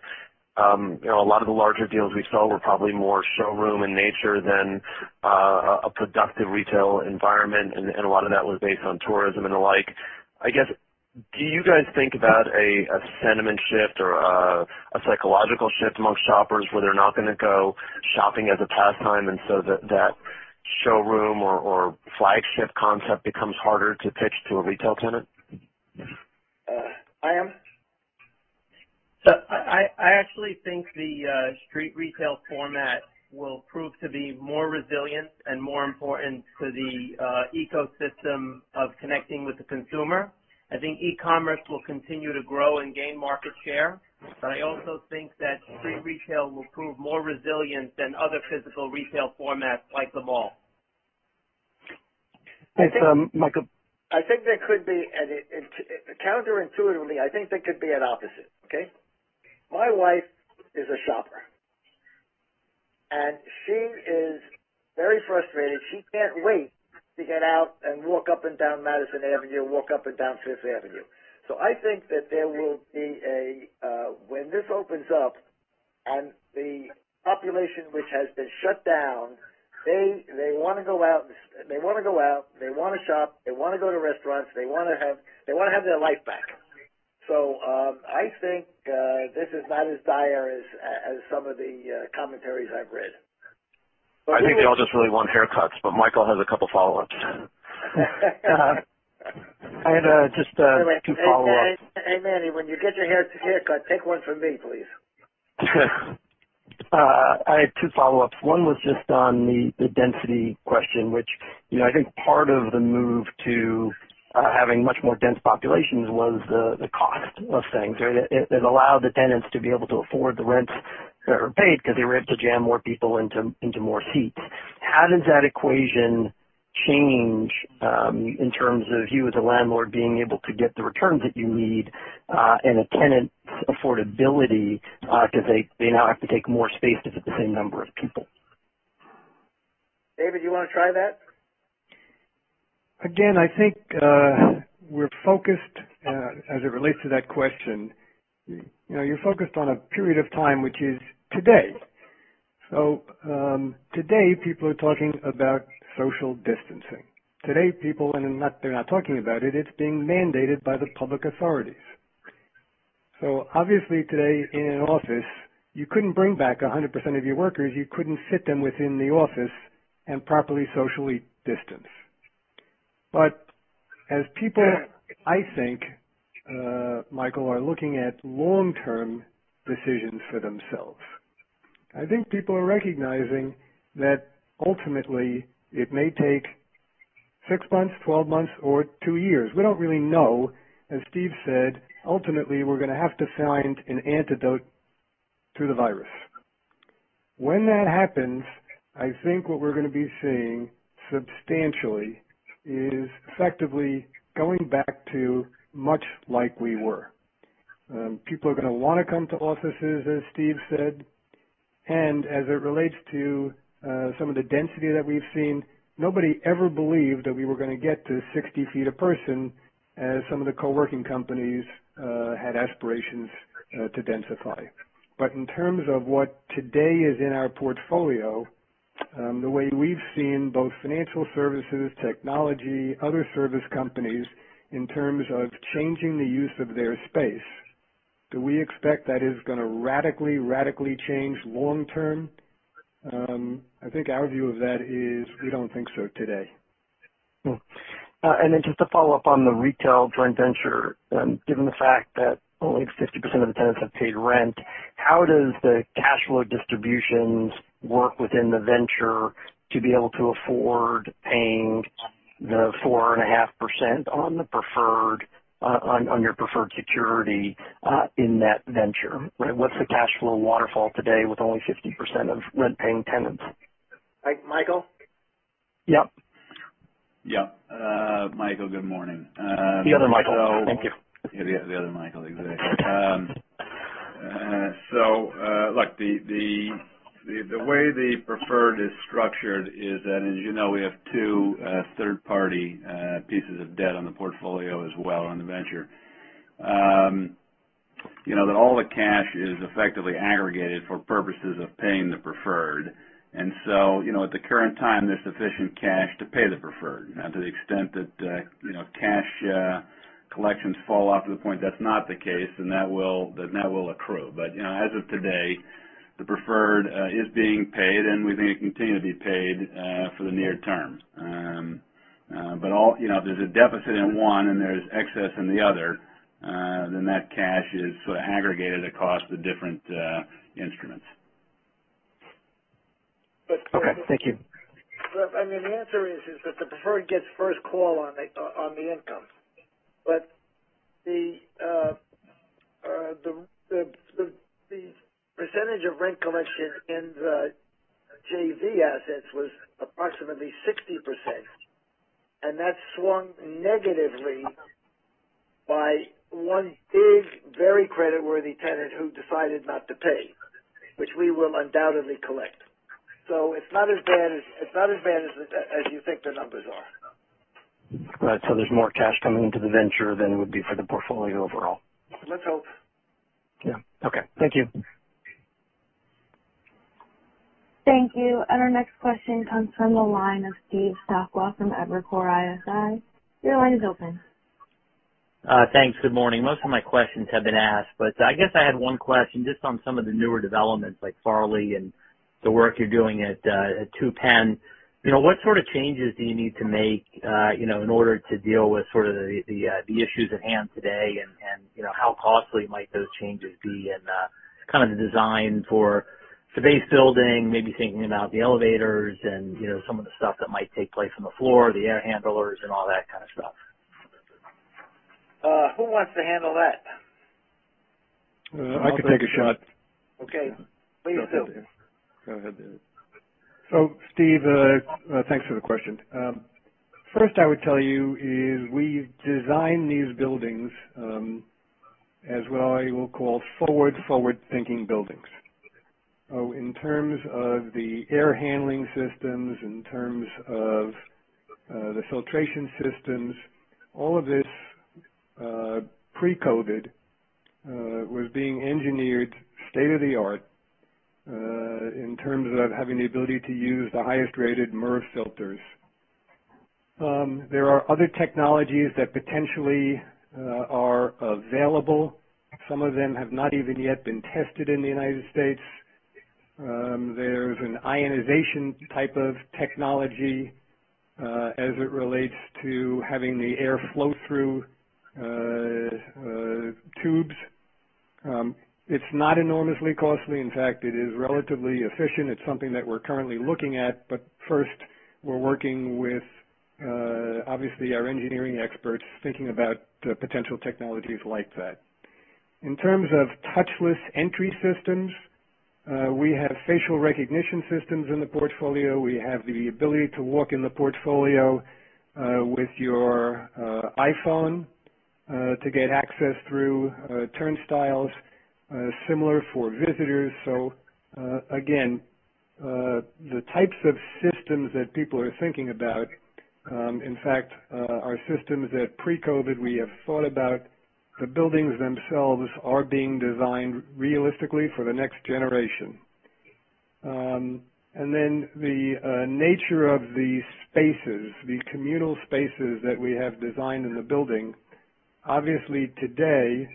A lot of the larger deals we saw were probably more showroom in nature than a productive retail environment, and a lot of that was based on tourism and the like. I guess, do you guys think about a sentiment shift or a psychological shift amongst shoppers where they're not going to go shopping as a pastime, and so that showroom or flagship concept becomes harder to pitch to a retail tenant? Haim? I actually think the street retail format will prove to be more resilient and more important to the ecosystem of connecting with the consumer. I think e-commerce will continue to grow and gain market share, but I also think that street retail will prove more resilient than other physical retail formats like the mall. Thanks. It's Michael. I think there could be, and counterintuitively, I think there could be an opposite. Okay. My wife is a shopper, and she is very frustrated. She can't wait to get out and walk up and down Madison Avenue, walk up and down Fifth Avenue. I think that there will be a, when this opens up and the population which has been shut down, they want to go out, they want to shop, they want to go to restaurants, they want to have their life back. I think this is not as dire as some of the commentaries I've read. I think they all just really want haircuts, but Michael has a couple follow-ups. I had just two follow-ups. Hey, Manny, when you get your haircut, take one from me, please. I had two follow-ups. One was just on the density question, which I think part of the move to having much more dense populations was the cost of things. It allowed the tenants to be able to afford the rents that were paid because they were able to jam more people into more seats. How does that equation change in terms of you as a landlord being able to get the returns that you need, and a tenant's affordability, because they now have to take more space to fit the same number of people? David, you want to try that? I think we're focused, as it relates to that question, you're focused on a period of time, which is today. Today, people are talking about social distancing. Today, people, and they're not talking about it's being mandated by the public authorities. Obviously today in an office, you couldn't bring back 100% of your workers. You couldn't fit them within the office and properly socially distance. As people, I think, Michael, are looking at long-term decisions for themselves. I think people are recognizing that ultimately it may take six months, 12 months, or two years. We don't really know. As Steven said, ultimately, we're going to have to find an antidote to the virus. When that happens, I think what we're going to be seeing substantially is effectively going back to much like we were. People are going to want to come to offices, as Steve said. As it relates to some of the density that we've seen, nobody ever believed that we were going to get to 60 ft a person, as some of the co-working companies had aspirations to densify. In terms of what today is in our portfolio, the way we've seen both financial services, technology, other service companies in terms of changing the use of their space, do we expect that is going to radically change long-term? I think our view of that is we don't think so today. Just to follow up on the retail joint venture, given the fact that only 50% of the tenants have paid rent, how does the cash flow distributions work within the venture to be able to afford paying the 4.5% on your preferred security in that venture? What's the cash flow waterfall today with only 50% of rent-paying tenants? Michael? Yep. Yep. Michael, good morning. The other Michael. Thank you. The other Michael. Exactly. Look, the way the preferred is structured is that, as you know, we have two third-party pieces of debt on the portfolio as well on the venture. All the cash is effectively aggregated for purposes of paying the preferred. At the current time, there's sufficient cash to pay the preferred. Now, to the extent that cash collections fall off to the point that's not the case, then that will accrue. As of today, the preferred is being paid, and we think it will continue to be paid for the near term. If there's a deficit in one and there's excess in the other, then that cash is sort of aggregated across the different instruments. Okay. Thank you. The answer is that the preferred gets first call on the income. The percentage of rent collection in the JV assets was approximately 60%, and that swung negatively by one big, very creditworthy tenant who decided not to pay, which we will undoubtedly collect. It's not as bad as you think the numbers are. Right. There's more cash coming into the venture than it would be for the portfolio overall. Let's hope. Yeah. Okay. Thank you. Thank you. Our next question comes from the line of Steve Sakwa from Evercore ISI. Your line is open. Thanks. Good morning. Most of my questions have been asked. I guess I had one question just on some of the newer developments like Farley and the work you're doing at PENN 2. What sort of changes do you need to make in order to deal with sort of the issues at hand today? How costly might those changes be in kind of the design for the base building, maybe thinking about the elevators and some of the stuff that might take place on the floor, the air handlers and all that kind of stuff? Who wants to handle that? I could take a shot. Okay. Please do. Go ahead, David. Steve, thanks for the question. First I would tell you is we've designed these buildings, as what I will call forward-thinking buildings. In terms of the air handling systems, in terms of the filtration systems, all of this, pre-COVID, was being engineered state-of-the-art, in terms of having the ability to use the highest-rated MERV filters. There are other technologies that potentially are available. Some of them have not even yet been tested in the United States. There's an ionization type of technology, as it relates to having the air flow through tubes. It's not enormously costly. In fact, it is relatively efficient. It's something that we're currently looking at. First, we're working with, obviously our engineering experts, thinking about potential technologies like that. In terms of touchless entry systems, we have facial recognition systems in the portfolio. We have the ability to walk in the portfolio with your iPhone to get access through turnstiles, similar for visitors. Again, the types of systems that people are thinking about, in fact, are systems that pre-COVID we have thought about. The buildings themselves are being designed realistically for the next generation. The nature of the communal spaces that we have designed in the building, obviously today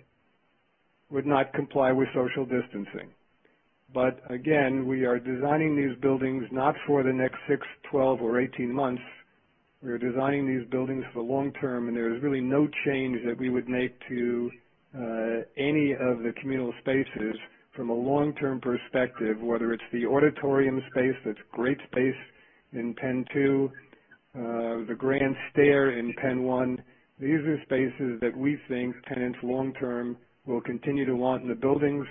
would not comply with social distancing. We are designing these buildings not for the next six, 12, or 18 months. We are designing these buildings for the long term, there is really no change that we would make to any of the communal spaces from a long-term perspective, whether it's the auditorium space, that great space in PENN 2, the grand stair in PENN 1. These are spaces that we think tenants long term will continue to want in the buildings.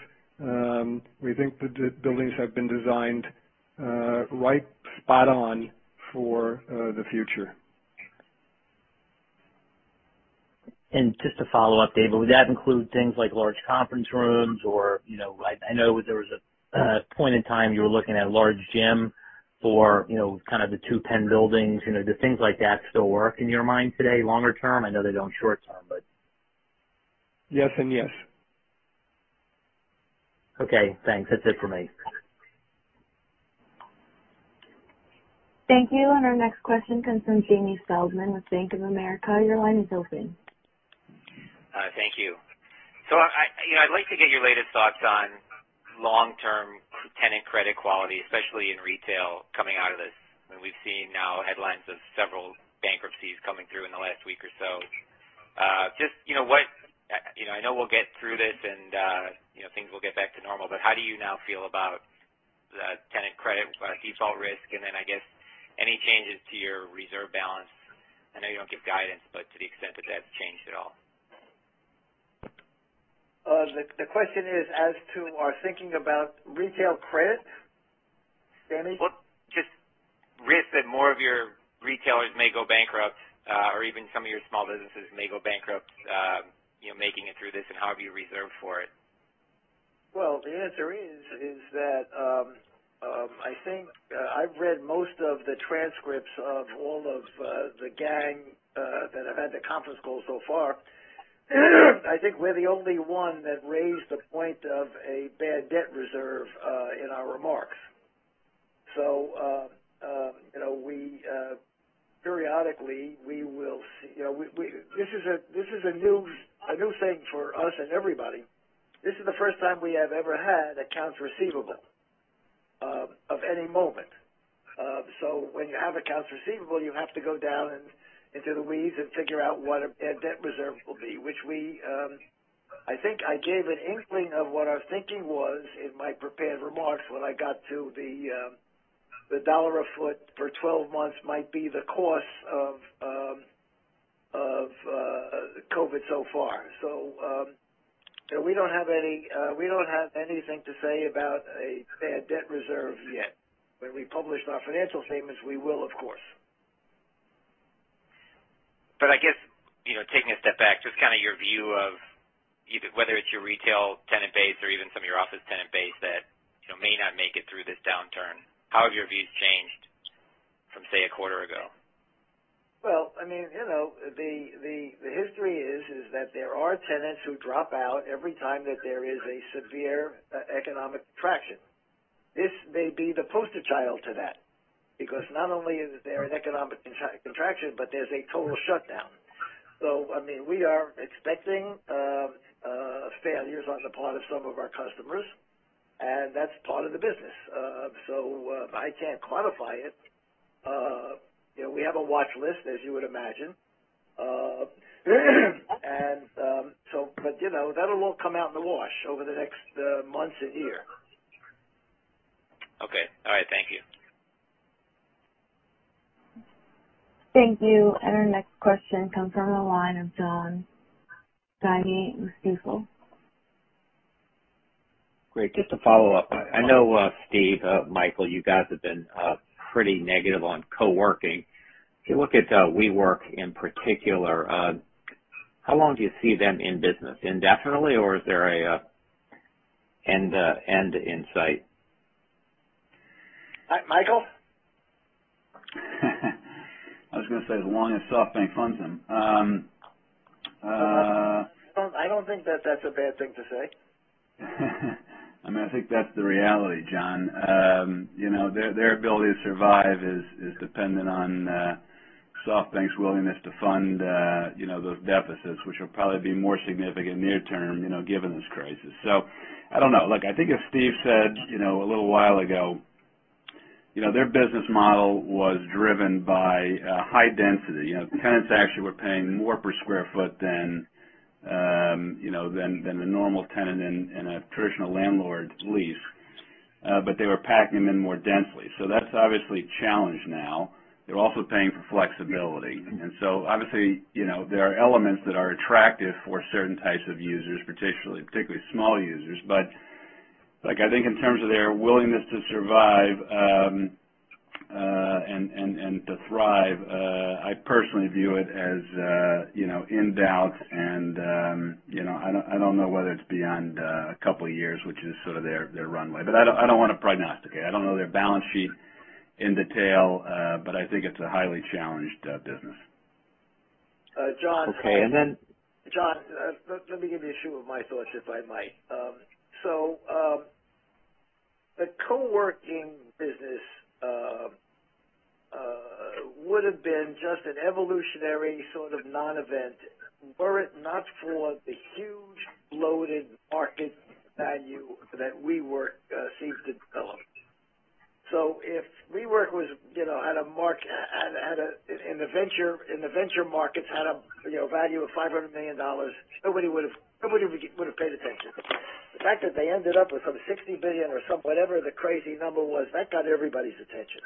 We think the buildings have been designed right spot on for the future. Just a follow-up, David. Would that include things like large conference rooms? I know there was a point in time you were looking at a large gym for kind of the PENN 2 buildings. Do things like that still work in your mind today, longer term? I know they don't short term. Yes and yes. Okay, thanks. That's it for me. Thank you. Our next question comes from Jamie Feldman with Bank of America. Your line is open. Thank you. I'd like to get your latest thoughts on long-term tenant credit quality, especially in retail, coming out of this. We've seen now headlines of several bankruptcies coming through in the last week or so. I know we'll get through this and things will get back to normal, but how do you now feel about the tenant credit default risk? I guess, any changes to your reserve balance? I know you don't give guidance, but to the extent that that's changed at all. The question is as to our thinking about retail credit, Jamie? Well, just risk that more of your retailers may go bankrupt, or even some of your small businesses may go bankrupt, making it through this and how have you reserved for it? Well, the answer is that I've read most of the transcripts of all of the FAANG that have had the conference call so far. I think we're the only one that raised the point of a bad debt reserve in our remarks. Periodically, this is a new thing for us and everybody. This is the first time we have ever had accounts receivable of any moment. When you have accounts receivable, you have to go down into the weeds and figure out what a bad debt reserve will be, which I think I gave an inkling of what our thinking was in my prepared remarks when I got to the $1 a foot for 12 months might be the cost of COVID-19 so far. We don't have anything to say about a bad debt reserve yet. When we publish our financial statements, we will, of course. I guess, taking a step back, just your view of whether it's your retail tenant base or even some of your office tenant base that may not make it through this downturn. How have your views changed from, say, a quarter ago? The history is that there are tenants who drop out every time that there is a severe economic contraction. This may be the poster child to that, because not only is there an economic contraction, but there's a total shutdown. We are expecting failures on the part of some of our customers, and that's part of the business. I can't quantify it. We have a watch list, as you would imagine. That'll all come out in the wash over the next months and year. Okay. All right. Thank you. Thank you. Our next question comes from the line of John Guinee with Stifel. Great. Just a follow-up. I know Steve, Michael, you guys have been pretty negative on co-working. If you look at WeWork in particular, how long do you see them in business? Indefinitely, or is there an end in sight? Michael? I was going to say as long as SoftBank funds them. I don't think that's a bad thing to say. I think that's the reality, John. Their ability to survive is dependent on SoftBank's willingness to fund those deficits, which will probably be more significant near-term, given this crisis. I don't know. Look, I think as Steve said a little while ago, their business model was driven by high density. Tenants actually were paying more per square foot than the normal tenant in a traditional landlord lease, but they were packing them in more densely. That's obviously a challenge now. They're also paying for flexibility. Obviously, there are elements that are attractive for certain types of users, particularly small users. I think in terms of their willingness to survive and to thrive, I personally view it as in doubt, and I don't know whether it's beyond a couple of years, which is sort of their runway. I don't want to prognosticate. I don't know their balance sheet in detail, but I think it's a highly challenged business. John, let me give you a few of my thoughts, if I might. The co-working business would've been just an evolutionary sort of non-event were it not for the huge loaded market value that WeWork seems to develop. If WeWork in the venture markets had a value of $500 million, nobody would've paid attention. The fact that they ended up with some $60 billion or whatever the crazy number was, that got everybody's attention.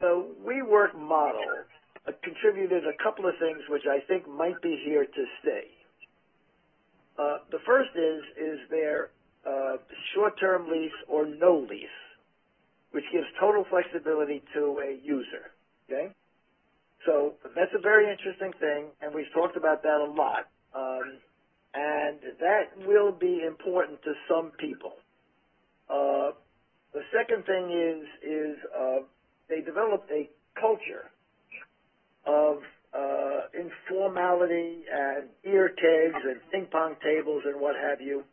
The WeWork model contributed a couple of things which I think might be here to stay. The first is their short-term lease or no lease, which gives total flexibility to a user. Okay? That's a very interesting thing, and we've talked about that a lot, and that will be important to some people. The second thing is they developed a culture of informality and beer kegs and ping pong tables and what have you.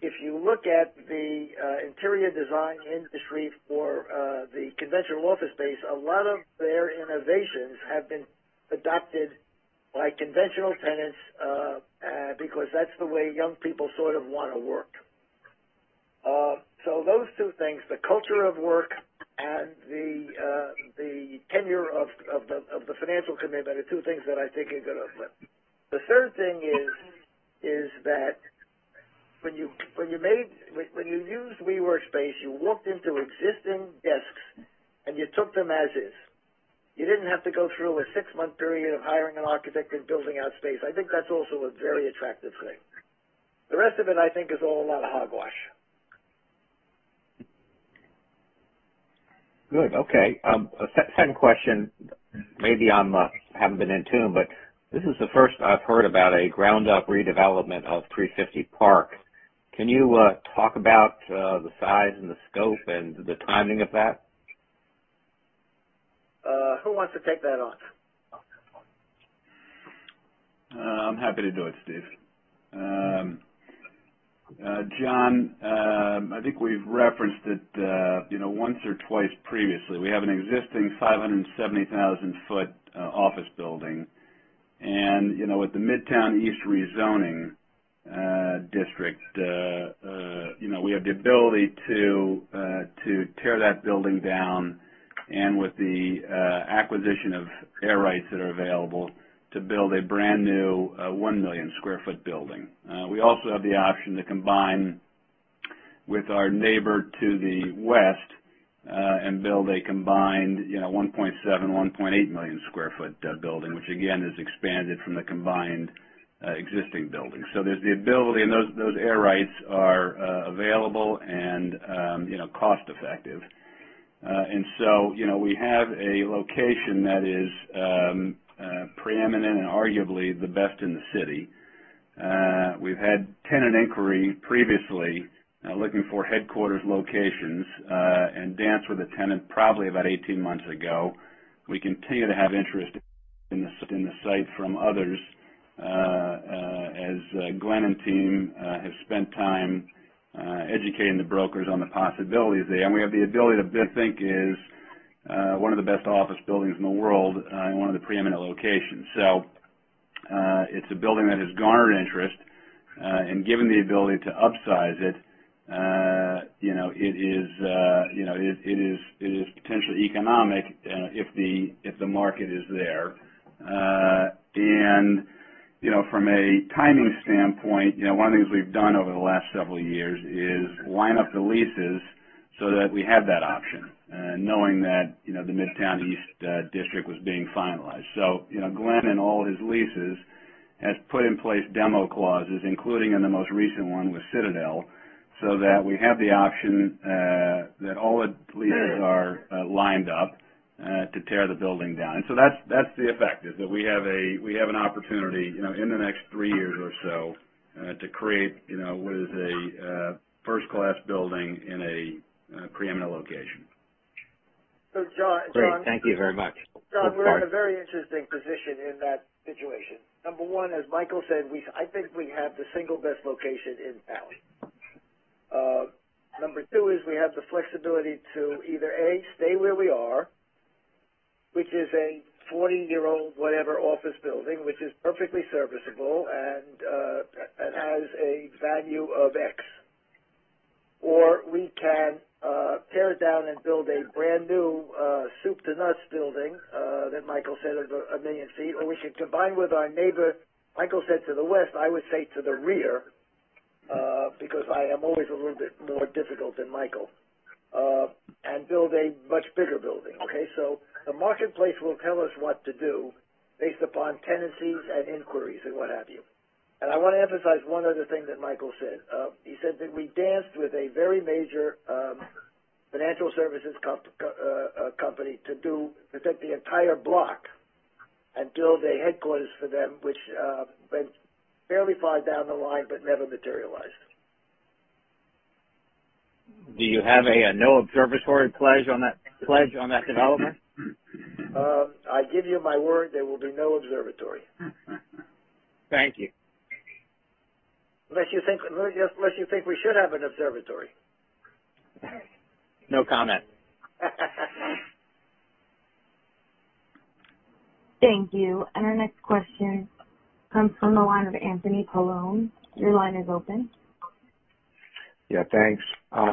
If you look at the interior design industry for the conventional office space, a lot of their innovations have been adopted by conventional tenants, because that's the way young people sort of want to work. Those two things, the culture of work and the tenure of the financial commitment are two things that I think are going to flip. The third thing is that when you used WeWork space, you walked into existing desks and you took them as is. You didn't have to go through a six-month period of hiring an architect and building out space. I think that's also a very attractive thing. The rest of it, I think, is all a lot of hogwash. Good. Okay. A second question. Maybe I haven't been in tune, but this is the first I've heard about a ground-up redevelopment of 350 Park. Can you talk about the size and the scope and the timing of that? Who wants to take that on? I'm happy to do it, Steven. John, I think we've referenced it once or twice previously. We have an existing 570,000 ft office building, and with the Midtown East rezoning district, we have the ability to tear that building down, and with the acquisition of air rights that are available, to build a brand-new 1 million square foot building. We also have the option to combine with our neighbor to the west and build a combined 1.7, 1.8 million square foot building, which again, is expanded from the combined existing buildings. There's the ability, and those air rights are available and cost-effective. We have a location that is preeminent and arguably the best in the city. We've had tenant inquiry previously looking for headquarters locations, and danced with a tenant probably about 18 months ago. We continue to have interest in the site from others as Glen and team have spent time educating the brokers on the possibilities there. We have the ability to build, think is, one of the best office buildings in the world in one of the preeminent locations. It's a building that has garnered interest, and given the ability to upsize it is potentially economic if the market is there. From a timing standpoint, one of the things we've done over the last several years is line up the leases so that we have that option, knowing that the Midtown East district was being finalized. Glen and all his leases has put in place demo clauses, including in the most recent one with Citadel, so that we have the option that all the leases are lined up to tear the building down. That's the effect, is that we have an opportunity in the next three years or so to create what is a first-class building in a preeminent location. John. Great. Thank you very much. John, we're in a very interesting position in that situation. Number one, as Michael said, I think we have the single best location in town. Number two is we have the flexibility to either, A, stay where we are, which is a 40-year-old, whatever office building, which is perfectly serviceable and has a value of X. We can tear down and build a brand new, soup to nuts building, that Michael said is 1 million feet. We should combine with our neighbor, Michael said to the west, I would say to the rear, because I am always a little bit more difficult than Michael, and build a much bigger building. Okay, the marketplace will tell us what to do based upon tenancies and inquiries and what have you. I want to emphasize one other thing that Michael said. He said that we danced with a very major financial services company to take the entire block and build a headquarters for them, which went fairly far down the line, but never materialized. Do you have a no observatory pledge on that development? I give you my word there will be no observatory. Thank you. Unless you think we should have an observatory. No comment. Thank you. Our next question comes from the line of Anthony Paolone. Your line is open. Thanks. I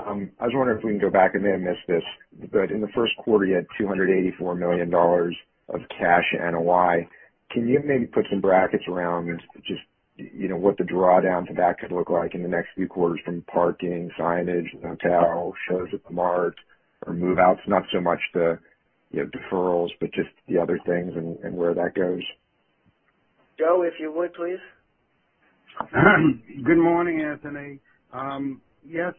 was wondering if we can go back, I may have missed this, but in the first quarter, you had $284 million of cash NOI. Can you maybe put some brackets around just what the draw down to that could look like in the next few quarters from parking, signage, the hotel, shows at the Mart, or move-outs, not so much the deferrals, but just the other things and where that goes. Joe, if you would, please. Good morning, Anthony. Yes,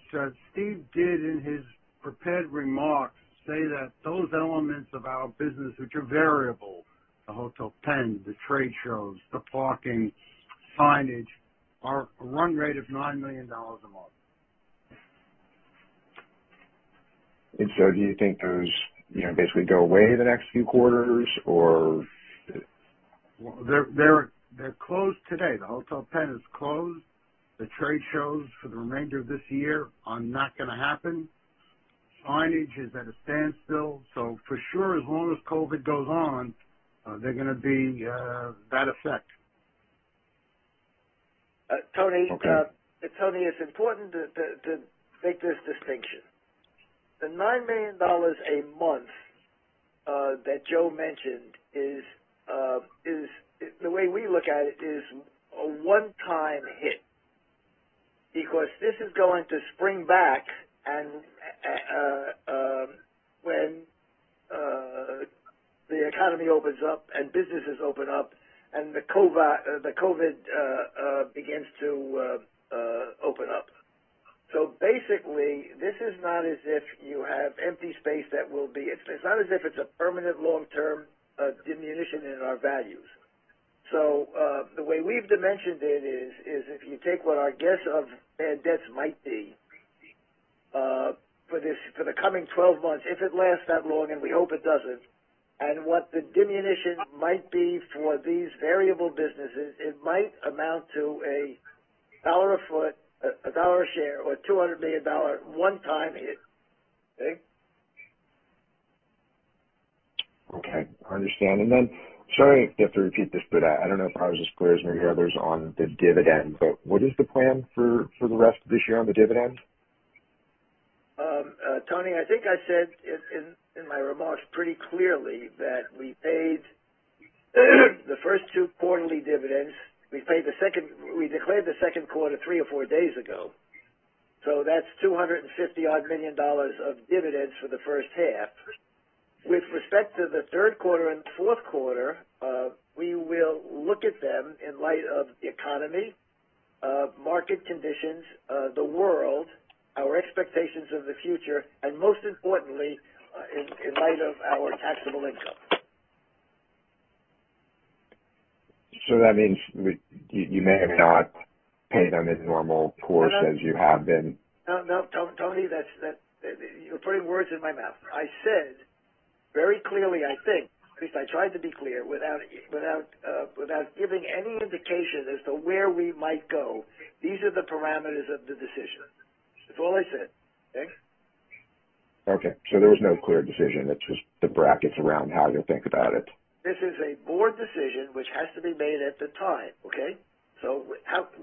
Steve did, in his prepared remarks, say that those elements of our business which are variable, the Hotel PENN, the trade shows, the parking, signage, are a run rate of $9 million a month. Do you think those basically go away the next few quarters or? They're closed today. The Hotel PENN is closed. The trade shows for the remainder of this year are not going to happen. Signage is at a standstill. For sure, as long as COVID-19 goes on, they're going to be that effect. Tony, it's important to make this distinction. The $9 million a month that Joe mentioned is, the way we look at it, is a one-time hit. This is going to spring back and when the economy opens up and businesses open up and the COVID-19 begins to open up. Basically, this is not as if you have empty space. It's not as if it's a permanent long-term diminution in our values. The way we've dimensioned it is, if you take what our guess of bad debts might be for the coming 12 months, if it lasts that long, and we hope it doesn't, and what the diminution might be for these variable businesses, it might amount to $1 a foot, $1 a share, or $200 million one-time hit. Okay? Okay, I understand. Sorry if you have to repeat this, but I don't know if I was as clear as maybe the others on the dividend, but what is the plan for the rest of this year on the dividend? Tony, I think I said in my remarks pretty clearly that we paid the first two quarterly dividends. We declared the second quarter three or four days ago. That's $250 odd million of dividends for the first half. With respect to the third quarter and fourth quarter, we will look at them in light of the economy, market conditions, the world, our expectations of the future, and most importantly, in light of our taxable income. That means you may have not paid on as normal course as you have been? No, Tony, you're putting words in my mouth. I said very clearly, I think, at least I tried to be clear, without giving any indication as to where we might go. These are the parameters of the decision. That's all I said. Okay? Okay. There was no clear decision. It's just the brackets around how to think about it. This is a board decision which has to be made at the time. Okay?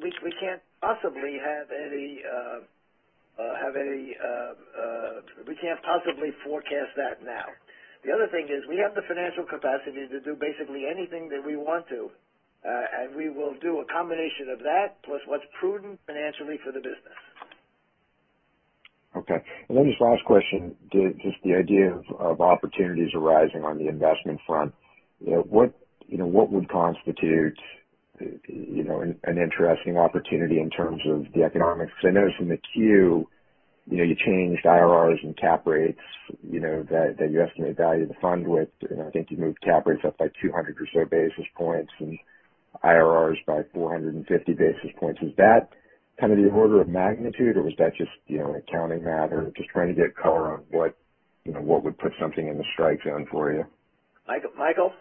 We can't possibly forecast that now. The other thing is we have the financial capacity to do basically anything that we want to, and we will do a combination of that plus what's prudent financially for the business. Okay. Just last question, just the idea of opportunities arising on the investment front. What would constitute an interesting opportunity in terms of the economics? I noticed in the Form 10-Q, you changed IRRs and cap rates that you estimate value the fund with, and I think you moved cap rates up by 200 or so basis points and IRRs by 450 basis points. Is that the order of magnitude, or was that just an accounting matter? Just trying to get color on what would put something in the strike zone for you. Michael?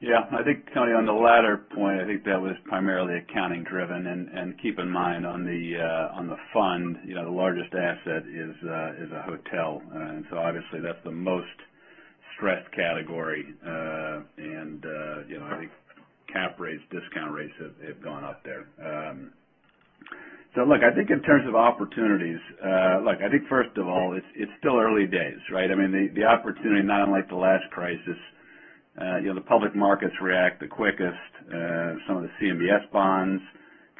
Yeah. I think, Tony, on the latter point, I think that was primarily accounting driven, and keep in mind on the fund, the largest asset is a hotel. Obviously that's the most stressed category. I think cap rates, discount rates have gone up there. Look, I think in terms of opportunities, look, I think first of all, it's still early days, right? I mean, the opportunity, not unlike the last crisis, the public markets react the quickest. Some of the CMBS bonds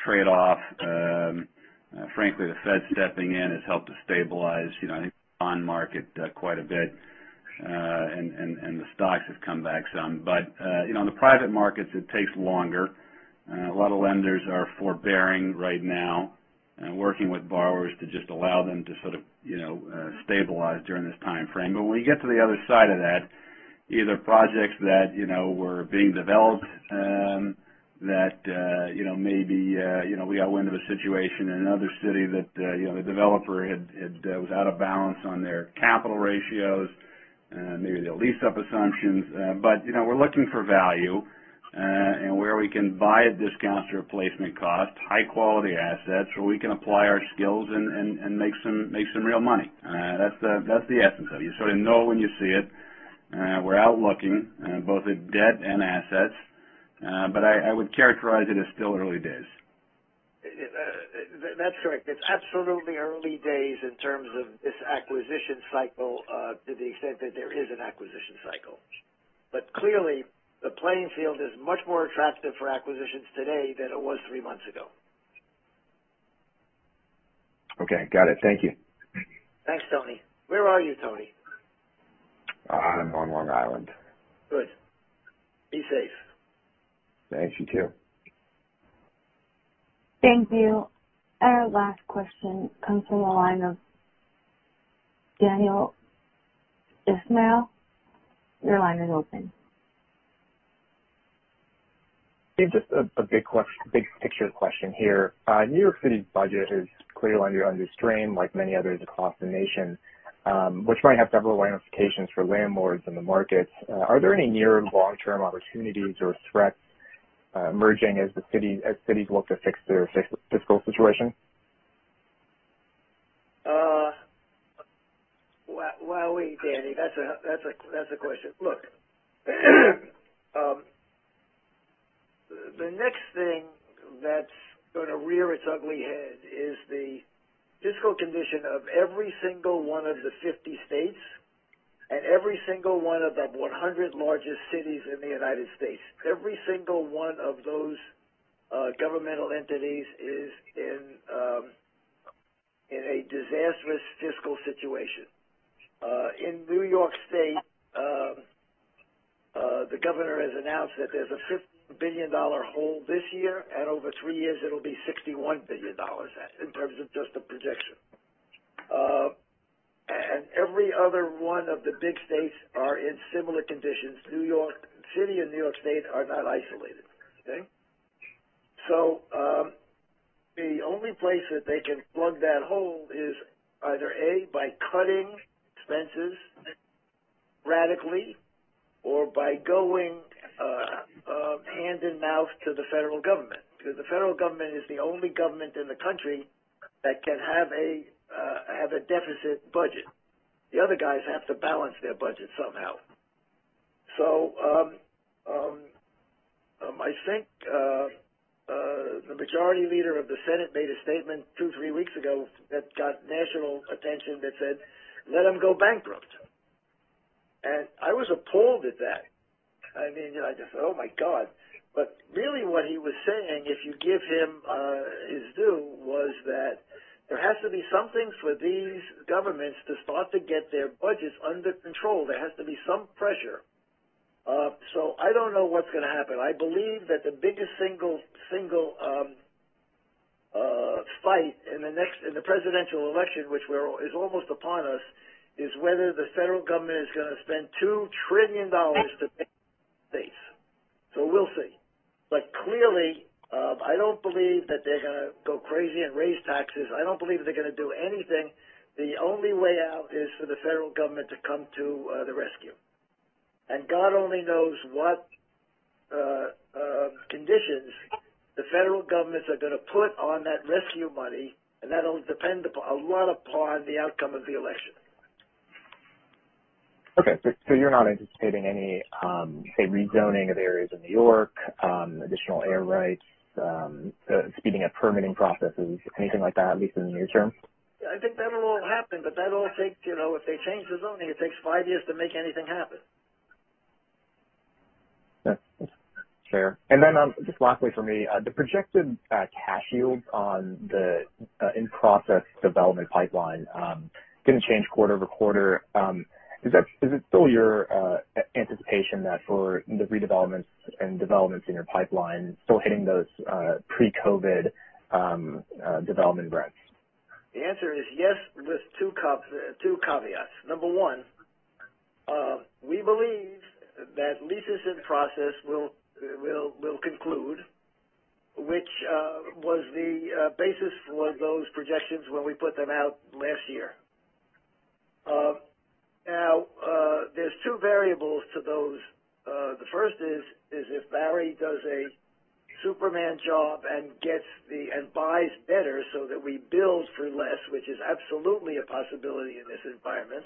trade off. Frankly, the Fed stepping in has helped to stabilize the bond market quite a bit. The stocks have come back some. In the private markets, it takes longer. A lot of lenders are forbearing right now and working with borrowers to just allow them to sort of stabilize during this timeframe. When we get to the other side of that, either projects that were being developed, we out into a situation in another city that the developer was out of balance on their capital ratios, maybe the lease-up assumptions. We're looking for value, and where we can buy at discounts to replacement cost, high-quality assets where we can apply our skills and make some real money. That's the essence of it. You sort of know when you see it. We're out looking, both at debt and assets. I would characterize it as still early days. That's correct. It's absolutely early days in terms of this acquisition cycle, to the extent that there is an acquisition cycle. Clearly, the playing field is much more attractive for acquisitions today than it was three months ago. Okay. Got it. Thank you. Thanks, Tony. Where are you, Tony? I'm on Long Island. Good. Be safe. Thanks. You too. Thank you. Our last question comes from the line of Daniel Ismail. Your line is open. Just a big picture question here. New York City's budget is clearly under strain, like many others across the nation, which might have several ramifications for landlords in the markets. Are there any near or long-term opportunities or threats emerging as cities look to fix their fiscal situation? Wowee, Danny. That's a question. Look, the next thing that's going to rear its ugly head is the fiscal condition of every single one of the 50 states and every single one of the 100 largest cities in the United States. Every single one of those governmental entities is in a disastrous fiscal situation. In New York State, the governor has announced that there's a $15 billion hole this year, and over three years, it'll be $61 billion, in terms of just a projection. Every other one of the big states are in similar conditions. New York City and New York State are not isolated. Okay? The only place that they can plug that hole is either, A, by cutting expenses radically or by going hand and mouth to the federal government, because the federal government is the only government in the country that can have a deficit budget. The other guys have to balance their budget somehow. I think, the Majority Leader of the Senate made a statement two, three weeks ago that got national attention that said, "Let them go bankrupt." I was appalled at that. I just said, "Oh my God." Really what he was saying, if you give him his due, was that there has to be something for these governments to start to get their budgets under control. There has to be some pressure. I don't know what's going to happen. I believe that the biggest single fight in the presidential election, which is almost upon us, is whether the federal government is going to spend $2 trillion to bail out the states. We'll see. Clearly, I don't believe that they're going to go crazy and raise taxes. I don't believe they're going to do anything. The only way out is for the federal government to come to the rescue. God only knows what conditions the federal governments are going to put on that rescue money, and that'll depend a lot upon the outcome of the election. Okay. You're not anticipating any, say, rezoning of areas in New York, additional air rights, speeding up permitting processes, anything like that, at least in the near term? I think that'll all happen, but that all takes, if they change the zoning, it takes five years to make anything happen. That's fair. Just lastly from me, the projected cash yield on the in-process development pipeline didn't change quarter-over-quarter. Is it still your anticipation that for the redevelopments and developments in your pipeline still hitting those pre-COVID development rents? The answer is yes, with two caveats. Number one. We believe that leases in process will conclude, which was the basis for those projections when we put them out last year. There's two variables to those. The first is, if Barry does a Superman job and buys better so that we build for less, which is absolutely a possibility in this environment,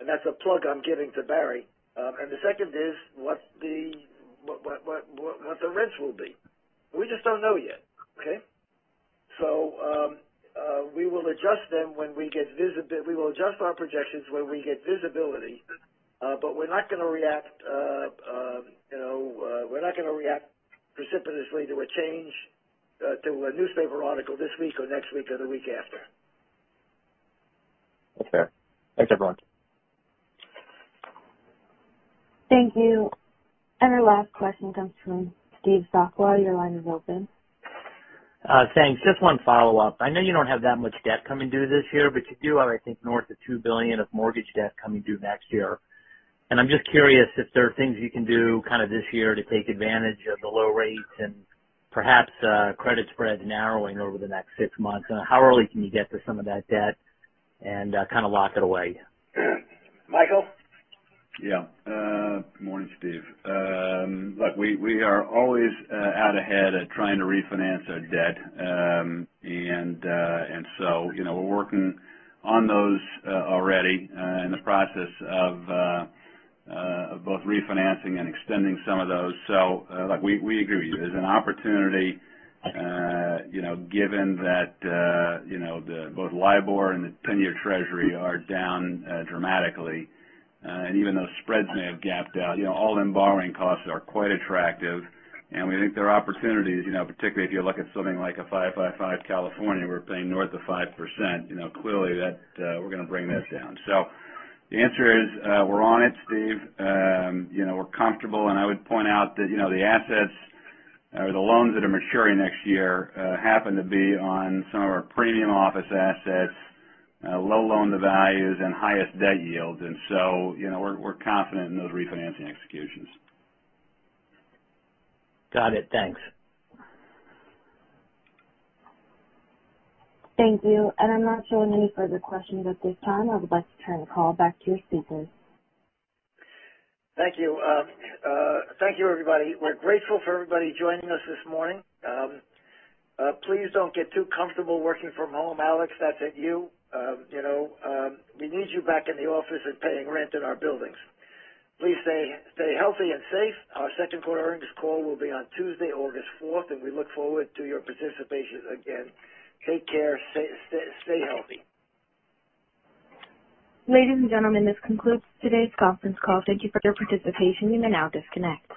and that's a plug I'm giving to Barry. The second is, what the rents will be. We just don't know yet. Okay. We will adjust our projections when we get visibility, but we're not going to react precipitously to a change, to a newspaper article this week or next week or the week after. That's fair. Thanks, everyone. Thank you. Our last question comes from Steve Sakwa. Your line is open. Thanks. Just one follow-up. I know you don't have that much debt coming due this year, but you do have, I think, north of $2 billion of mortgage debt coming due next year. I'm just curious if there are things you can do kind of this year to take advantage of the low rates and perhaps credit spreads narrowing over the next six months. How early can you get to some of that debt and kind of lock it away? Michael? Good morning, Steve. We are always out ahead at trying to refinance our debt. We're working on those already in the process of both refinancing and extending some of those. We agree with you. There's an opportunity, given that both LIBOR and the 10-year Treasury are down dramatically. Even those spreads may have gapped out. All-in borrowing costs are quite attractive, and we think there are opportunities, particularly if you look at something like a 555 California, we're paying north of 5%. Clearly, we're going to bring that down. The answer is, we're on it, Steve. We're comfortable, and I would point out that the assets or the loans that are maturing next year happen to be on some of our premium office assets, low loan-to-values, and highest debt yields. We're confident in those refinancing executions. Got it. Thanks. Thank you. I'm not showing any further questions at this time. I would like to turn the call back to your speakers. Thank you. Thank you, everybody. We're grateful for everybody joining us this morning. Please don't get too comfortable working from home. Alex, that's at you. We need you back in the office and paying rent in our buildings. Please stay healthy and safe. Our second quarter earnings call will be on Tuesday, August 4th, and we look forward to your participation again. Take care. Stay healthy. Ladies and gentlemen, this concludes today's conference call. Thank you for your participation. You may now disconnect.